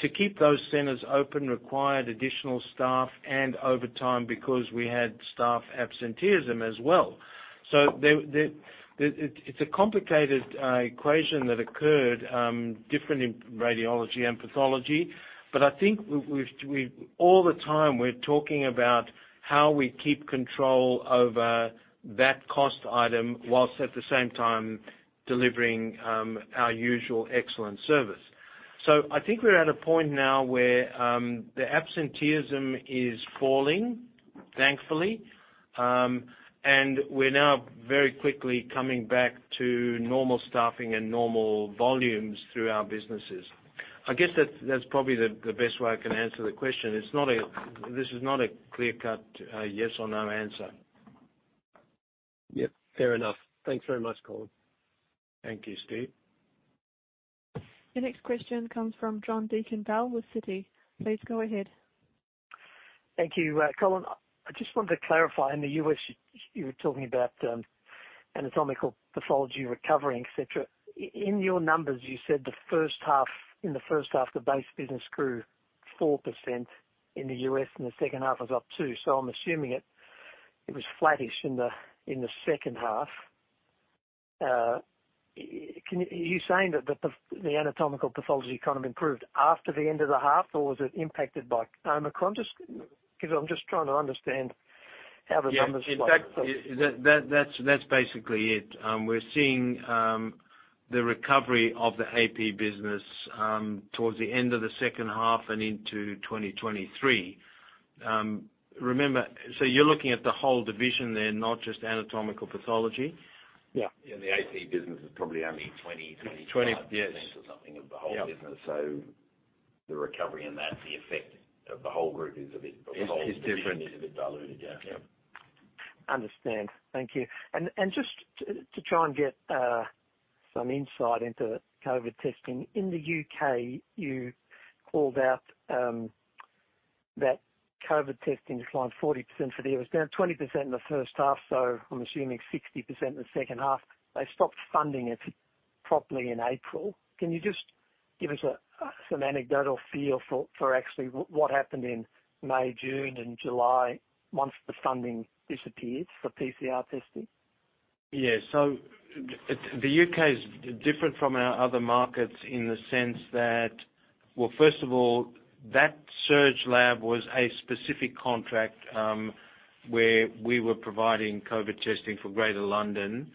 To keep those centers open required additional staff and overtime because we had staff absenteeism as well. It's a complicated equation that occurred different in radiology and pathology. I think we've All the time, we're talking about how we keep control over that cost item while at the same time delivering our usual excellent service. I think we're at a point now where the absenteeism is falling, thankfully. We're now very quickly coming back to normal staffing and normal volumes through our businesses. I guess that's probably the best way I can answer the question. This is not a clear-cut yes or no answer. Yep. Fair enough. Thanks very much, Colin. Thank you, Steve. The next question comes from John Deakin-Bell with Citi. Please go ahead. Thank you. Colin, I just wanted to clarify, in the U.S., you were talking about anatomical pathology recovery, et cetera. In your numbers, you said the first half, the base business grew 4% in the U.S., and the second half was up 2%. I'm assuming it was flattish in the second half. Can you say that the anatomical pathology kind of improved after the end of the half, or was it impacted by Omicron? Just because I'm just trying to understand how the numbers flow. Yeah. In fact, that's basically it. We're seeing the recovery of the AP business towards the end of the second half and into 2023. Remember, you're looking at the whole division then, not just anatomical pathology. Yeah. The AP business is probably only 20%-25% or something of the whole business. Yeah. The recovery in that, the effect of the whole group is a bit. Is different. Is a bit diluted. Yeah. Yeah. Understand. Thank you. Just to try and get some insight into COVID testing. In the U.K., you called out that COVID testing declined 40% for the year. It was down 20% in the first half, so I'm assuming 60% in the second half. They stopped funding it properly in April. Can you just give us some anecdotal feel for actually what happened in May, June, and July once the funding disappeared for PCR testing? Yeah. The U.K,. is different from our other markets in the sense that. Well, first of all, that surge lab was a specific contract, where we were providing COVID testing for Greater London,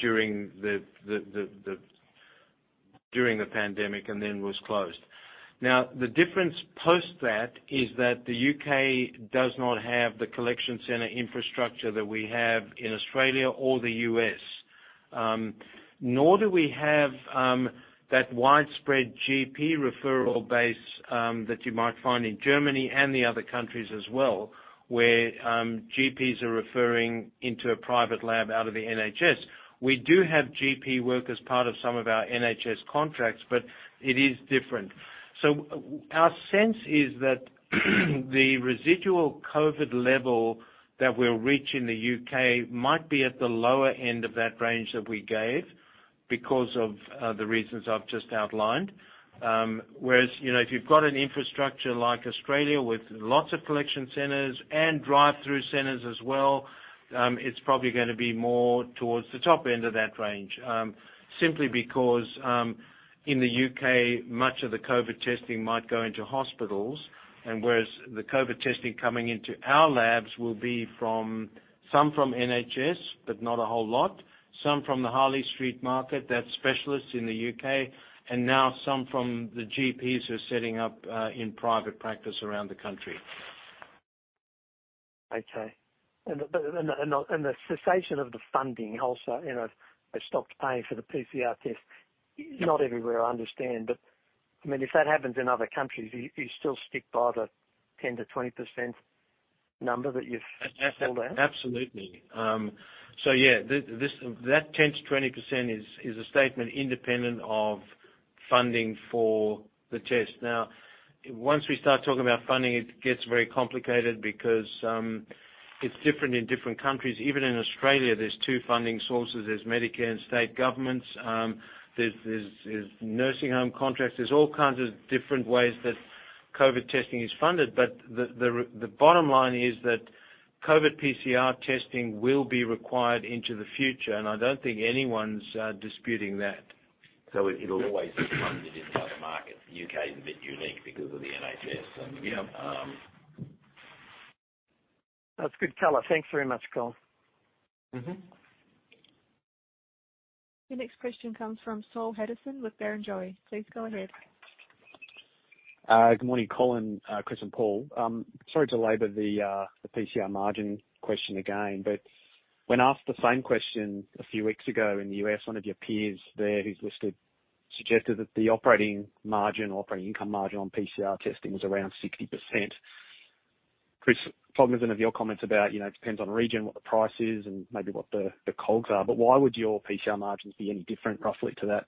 during the pandemic, and then was closed. Now, the difference post that is that the U.K., does not have the collection center infrastructure that we have in Australia or the U.S. Nor do we have, that widespread G.P. referral base, that you might find in Germany and the other countries as well, where, G.P.s are referring into a private lab out of the NHS. We do have G.P. work as part of some of our NHS contracts, but it is different. Our sense is that the residual COVID level that we're reaching in the U.K., might be at the lower end of that range that we gave because of the reasons I've just outlined. Whereas, you know, if you've got an infrastructure like Australia with lots of collection centers and drive-through centers as well, it's probably gonna be more towards the top end of that range, simply because in the U.K., much of the COVID testing might go into hospitals. Whereas the COVID testing coming into our labs will be from some from NHS, but not a whole lot, some from the Harley Street market, that's specialists in the U.K., and now some from the GPs who are setting up in private practice around the country. Okay. The cessation of the funding also, you know, they stopped paying for the PCR test, not everywhere, I understand. I mean, if that happens in other countries, do you still stick by the 10%-20% number that you've pulled out? Absolutely. Yeah, this, that 10%-20% is a statement independent of funding for the test. Now, once we start talking about funding, it gets very complicated because it's different in different countries. Even in Australia, there are two funding sources. There is Medicare and state governments. There are nursing home contracts. There are all kinds of different ways that COVID testing is funded. The bottom line is that COVID PCR testing will be required into the future, and I don't think anyone's disputing that. It'll always be funded in other markets. The U.K., Is a bit unique because of the NHS. That's good color. Thanks very much, Colin. Mm-hmm. Your next question comes from Saul Hadassin with Barrenjoey. Please go ahead. Good morning, Colin, Chris, and Paul. Sorry to labor the PCR margin question again, but when asked the same question a few weeks ago in the U.S., one of your peers there who's listed suggested that the operating margin or operating income margin on PCR testing was around 60%. Chris, cognizant of your comments about, you know, it depends on region, what the price is and maybe what the COGS are, but why would your PCR margins be any different roughly to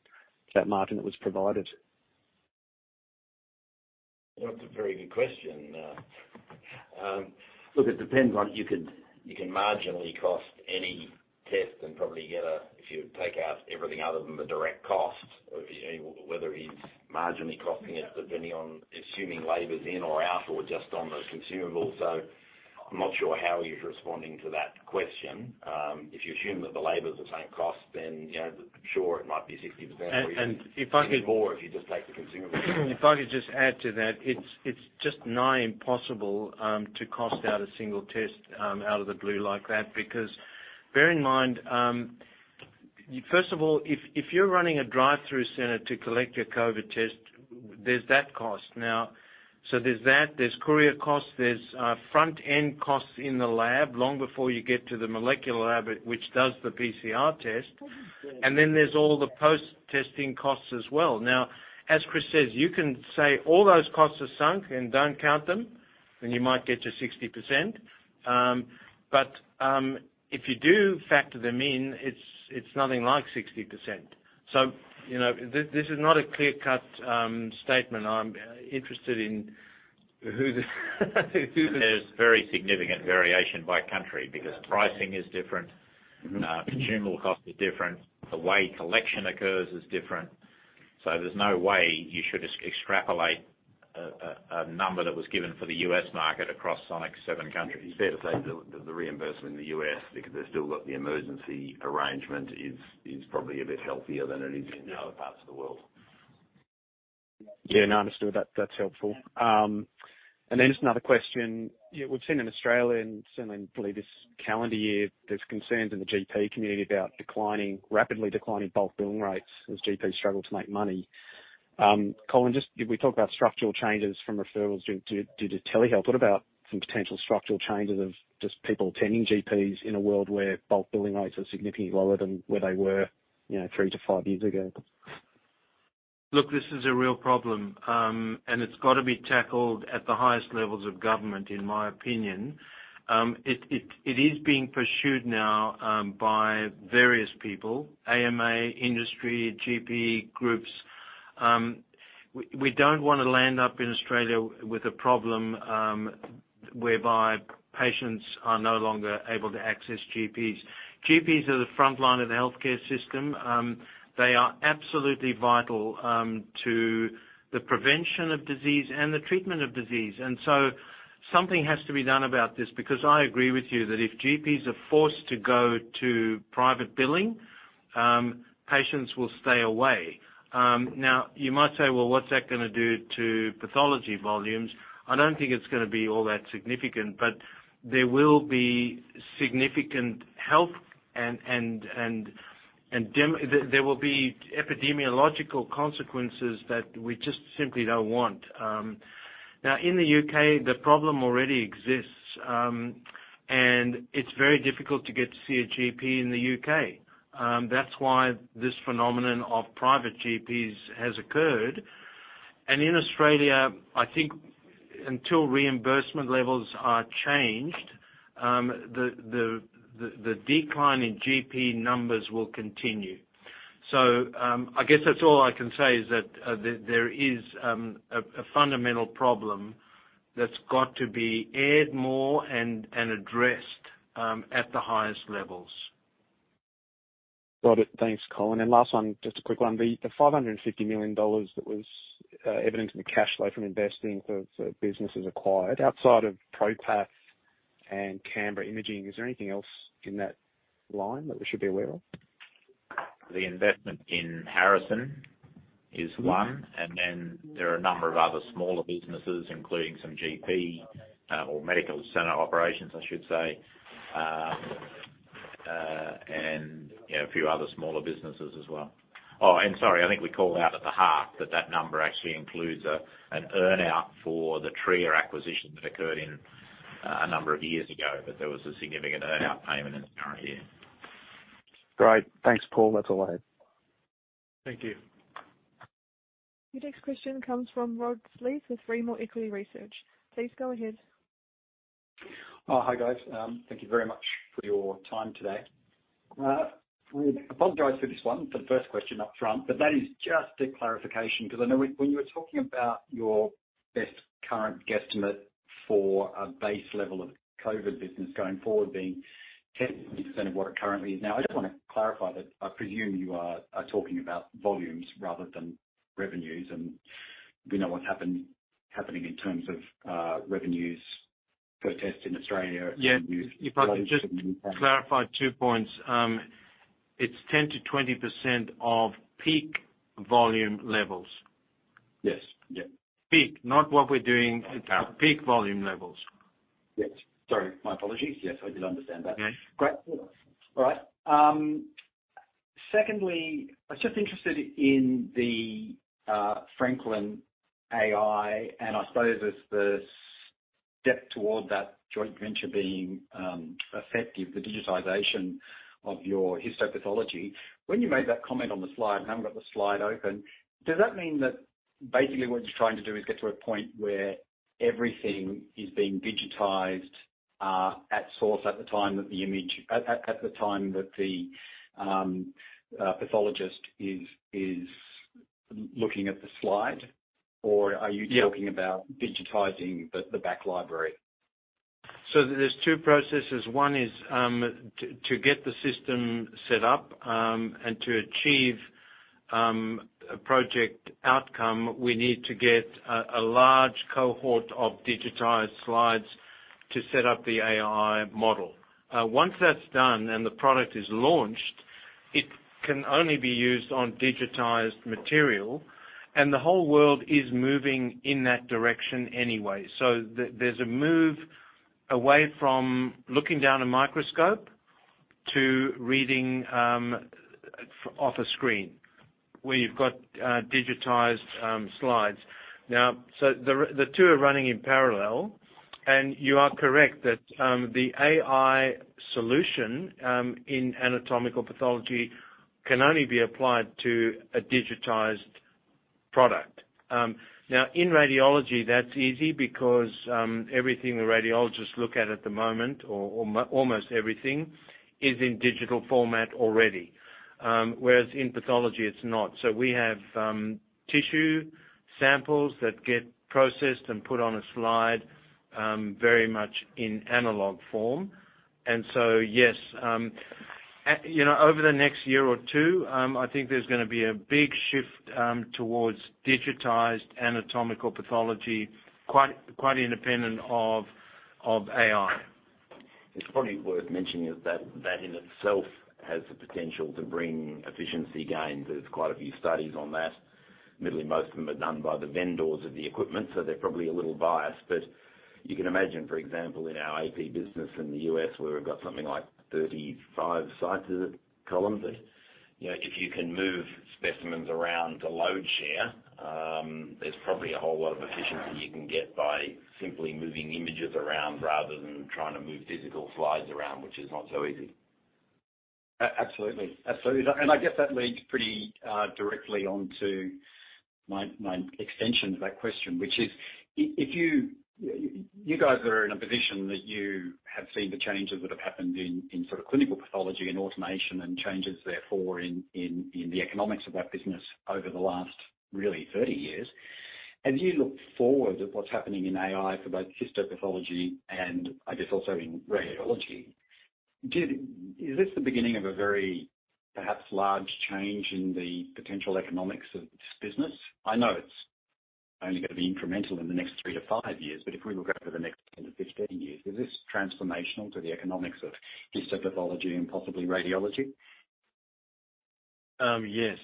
that margin that was provided? That's a very good question. Look, it depends on. You can marginally cost any test and probably get, if you take out everything other than the direct cost, whether you're marginally costing it, depending on assuming labor's in or out or just on the consumables. I'm not sure how he's responding to that question. If you assume that the labor's the same cost, then, you know, sure, it might be 60%. If I could. Even more if you just take the consumable. If I could just add to that. It's just nigh impossible to cost out a single test out of the blue like that, because bear in mind, first of all, if you're running a drive-through center to collect your COVID test, there's that cost. Now, there's that. There's courier costs. There's front-end costs in the lab long before you get to the molecular lab which does the PCR test. And then there's all the post-testing costs as well. Now, as Chris says, you can say all those costs are sunk and don't count them, then you might get your 60%. But if you do factor them in, it's nothing like 60%. You know, this is not a clear-cut statement. I'm interested in who the who the- There's very significant variation by country because pricing is different, consumable costs are different, the way collection occurs is different. There's no way you should extrapolate a number that was given for the U.S., market across Sonic's seven countries. It's fair to say the reimbursement in the U.S., because they've still got the emergency arrangement is probably a bit healthier than it is in other parts of the world. Yeah. No, understood. That's helpful. Just another question. We've seen in Australia, and certainly this calendar year, there's concerns in the GP community about rapidly declining bulk billing rates as GPs struggle to make money. Colin, just we talked about structural changes from referrals due to telehealth. What about some potential structural changes of just people attending GPs in a world where bulk billing rates are significantly lower than where they were, you know, three to five years ago? Look, this is a real problem, and it's gotta be tackled at the highest levels of government, in my opinion. It is being pursued now by various people, AMA, industry, GP groups. We don't wanna land up in Australia with a problem whereby patients are no longer able to access GPs. GPs are the front line of the healthcare system. They are absolutely vital to the prevention of disease and the treatment of disease. Something has to be done about this because I agree with you that if GPs are forced to go to private billing, patients will stay away. Now you might say, "Well, what's that gonna do to pathology volumes?" I don't think it's gonna be all that significant, but there will be significant health and there will be epidemiological consequences that we just simply don't want. Now in the U.K., the problem already exists, and it's very difficult to get to see a GP in the U.K. That's why this phenomenon of private GPs has occurred. In Australia, I think until reimbursement levels are changed, the decline in GP numbers will continue. I guess that's all I can say is that there is a fundamental problem that's got to be aired more and addressed at the highest levels. Got it. Thanks, Colin. Last one, just a quick one. The $550 million that was evident in the cash flow from investing for businesses acquired, outside of ProPath and Canberra Imaging, is there anything else in that line that we should be aware of? The investment in Harrison is one. Mm-hmm. There are a number of other smaller businesses, including some GP or medical center operations, I should say. You know, a few other smaller businesses as well. Oh, sorry, I think we called out at the half that number actually includes an earn-out for the Tria acquisition that occurred in a number of years ago, but there was a significant earn-out payment in the current year. Great. Thanks, Paul. That's all I had. Thank you. Your next question comes from Rod Sleith with Rimor Equity Research. Please go ahead. Oh, hi, guys. Thank you very much for your time today. I apologize for this one, for the first question up front, but that is just a clarification, 'cause I know when you were talking about your best current guesstimate for a base level of COVID business going forward being 10% of what it currently is now. I just wanna clarify that I presume you are talking about volumes rather than revenues, and we know what's happening in terms of revenues per test in Australia. Yeah. If I could just clarify two points. It's 10%-20% of peak volume levels. Yes. Yeah. not what we're doing. Okay. Peak volume levels. Yes. Sorry. My apologies. Yes, I did understand that. Okay. Great. All right. Secondly, I was just interested in the Franklin.ai, and I suppose as the step toward that joint venture being effective, the digitization of your histopathology. When you made that comment on the slide, I haven't got the slide open. Does that mean that basically what you're trying to do is get to a point where everything is being digitized at source at the time that the pathologist is looking at the slide? Or are you talking about- Yeah. digitizing the back library? There's two processes. One is to get the system set up and to achieve a project outcome, we need to get a large cohort of digitized slides to set up the AI model. Once that's done and the product is launched, it can only be used on digitized material, and the whole world is moving in that direction anyway. There's a move away from looking down a microscope to reading off a screen, where you've got digitized slides. Now, the two are running in parallel, and you are correct that the AI solution in anatomical pathology can only be applied to a digitized product. Now in radiology, that's easy because everything the radiologists look at at the moment or almost everything is in digital format already. Whereas in pathology, it's not. We have tissue samples that get processed and put on a slide, very much in analog form. Yes, you know, over the next year or two, I think there's gonna be a big shift towards digitized anatomical pathology, quite independent of AI. It's probably worth mentioning that in itself has the potential to bring efficiency gains. There's quite a few studies on that. Admittedly, most of them are done by the vendors of the equipment, so they're probably a little biased. You can imagine, for example, in our AP business in the U.S., where we've got something like 35 sites, is it, Colin? Thirty. You know, if you can move specimens around to load share, there's probably a whole lot of efficiency you can get by simply moving images around rather than trying to move physical slides around, which is not so easy. Absolutely. I guess that leads pretty directly onto my extension to that question, which is if you guys are in a position that you have seen the changes that have happened in sort of clinical pathology and automation and changes therefore in the economics of that business over the last really 30 years. As you look forward at what's happening in AI for both histopathology and I guess also in radiology, is this the beginning of a very perhaps large change in the potential economics of this business? I know it's only gonna be incremental in the next 3-5 years, but if we look out for the next 10-15 years, is this transformational to the economics of histopathology and possibly radiology? Yes.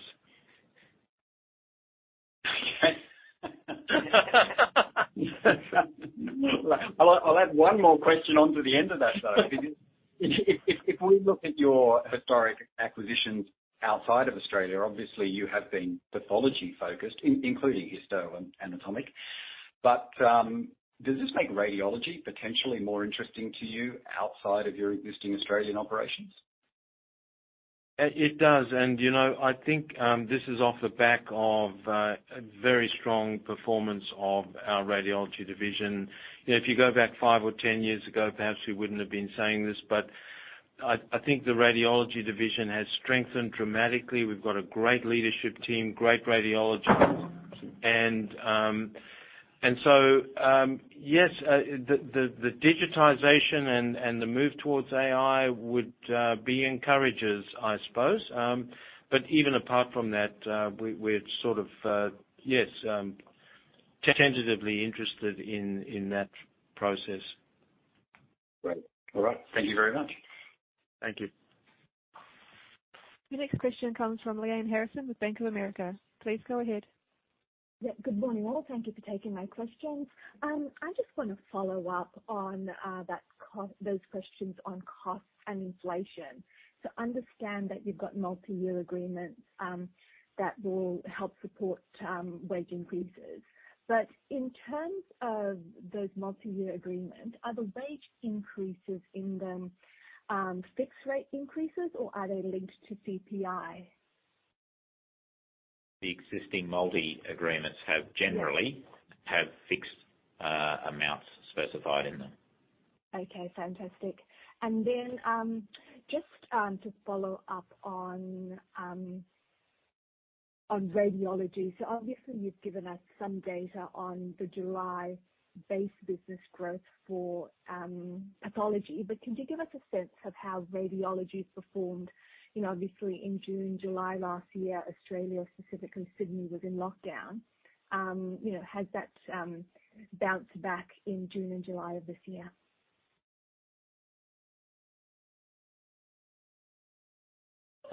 I'll add one more question onto the end of that, though. If we look at your historic acquisitions outside of Australia, obviously you have been pathology-focused, including histo and anatomic. Does this make radiology potentially more interesting to you outside of your existing Australian operations? It does. You know, I think this is off the back of a very strong performance of our radiology division. You know, if you go back five or 10 years ago, perhaps we wouldn't have been saying this, but I think the radiology division has strengthened dramatically. We've got a great leadership team, great radiologists. Yes, the digitization and the move towards AI would be encouraged, I suppose. Even apart from that, we're sort of tentatively interested in that process. Great. All right. Thank you very much. Thank you. Your next question comes from Lyanne Harrison with Bank of America. Please go ahead. Good morning, all. Thank you for taking my questions. I just wanna follow up on those questions on costs and inflation. I understand that you've got multi-year agreements that will help support wage increases. In terms of those multi-year agreements, are the wage increases in them fixed rate increases or are they linked to CPI? The existing multi agreements have. Yeah. Generally have fixed amounts specified in them. Okay, fantastic. Just to follow up on radiology. Obviously you've given us some data on the July base business growth for pathology, but can you give us a sense of how radiology's performed, you know, obviously in June, July last year, Australia, specifically Sydney, was in lockdown. You know, has that bounced back in June and July of this year?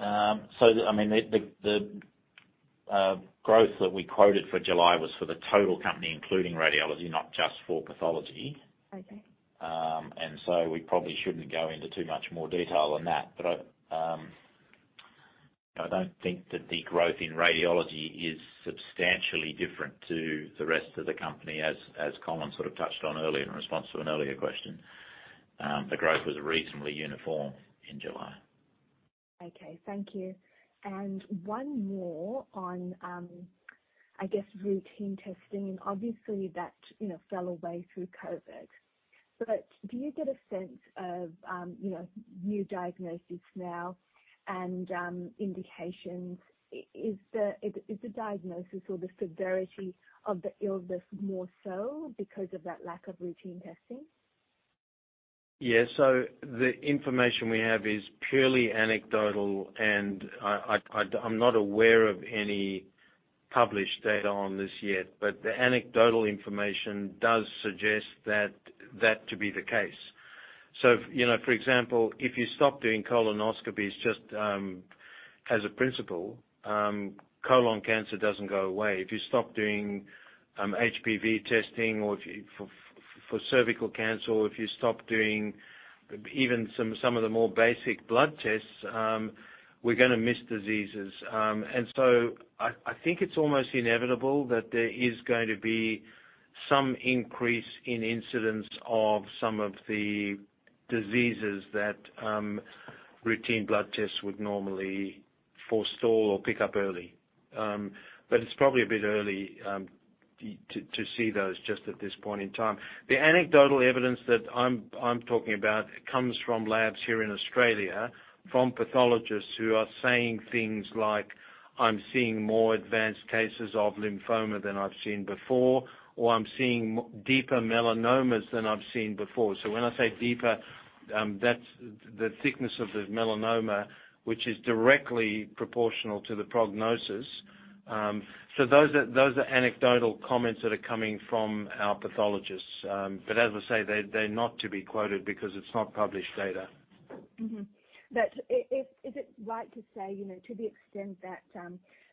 I mean, the growth that we quoted for July was for the total company, including radiology, not just for pathology. Okay. We probably shouldn't go into too much more detail on that. I don't think that the growth in radiology is substantially different to the rest of the company, as Colin sort of touched on earlier in response to an earlier question. The growth was reasonably uniform in July. Okay, thank you. One more on, I guess routine testing. Obviously that fell away through COVID. Do you get a sense of new diagnosis now and indications? Is the diagnosis or the severity of the illness more so because of that lack of routine testing? Yeah, the information we have is purely anecdotal, and I'm not aware of any published data on this yet, but the anecdotal information does suggest that to be the case. You know, for example, if you stop doing colonoscopies just as a principle, colon cancer doesn't go away. If you stop doing HPV testing or if you for cervical cancer, or if you stop doing even some of the more basic blood tests, we're gonna miss diseases. I think it's almost inevitable that there is going to be some increase in incidence of some of the diseases that routine blood tests would normally forestall or pick up early. It's probably a bit early to see those just at this point in time. The anecdotal evidence that I'm talking about comes from labs here in Australia from pathologists who are saying things like, "I'm seeing more advanced cases of lymphoma than I've seen before," or, "I'm seeing deeper melanomas than I've seen before." When I say deeper, that's the thickness of the melanoma, which is directly proportional to the prognosis. Those are anecdotal comments that are coming from our pathologists. As I say, they're not to be quoted because it's not published data. Is it right to say, you know, to the extent that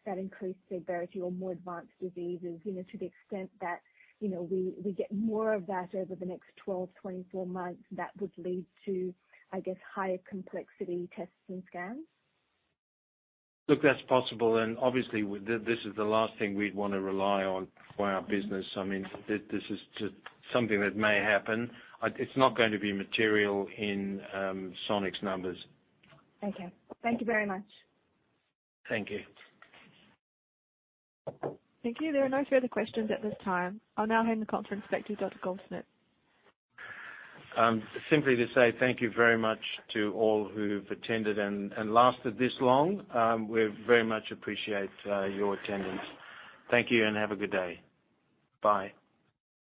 that increased severity or more advanced diseases, you know, to the extent that, you know, we get more of that over the next 12, 24 months, that would lead to, I guess, higher complexity testing scans? Look, that's possible. Obviously this is the last thing we'd wanna rely on for our business. I mean, this is just something that may happen. It's not going to be material in Sonic's numbers. Okay. Thank you very much. Thank you. Thank you. There are no further questions at this time. I'll now hand the conference back to Dr. Goldschmidt. Simply to say thank you very much to all who've attended and lasted this long. We very much appreciate your attendance. Thank you and have a good day. Bye.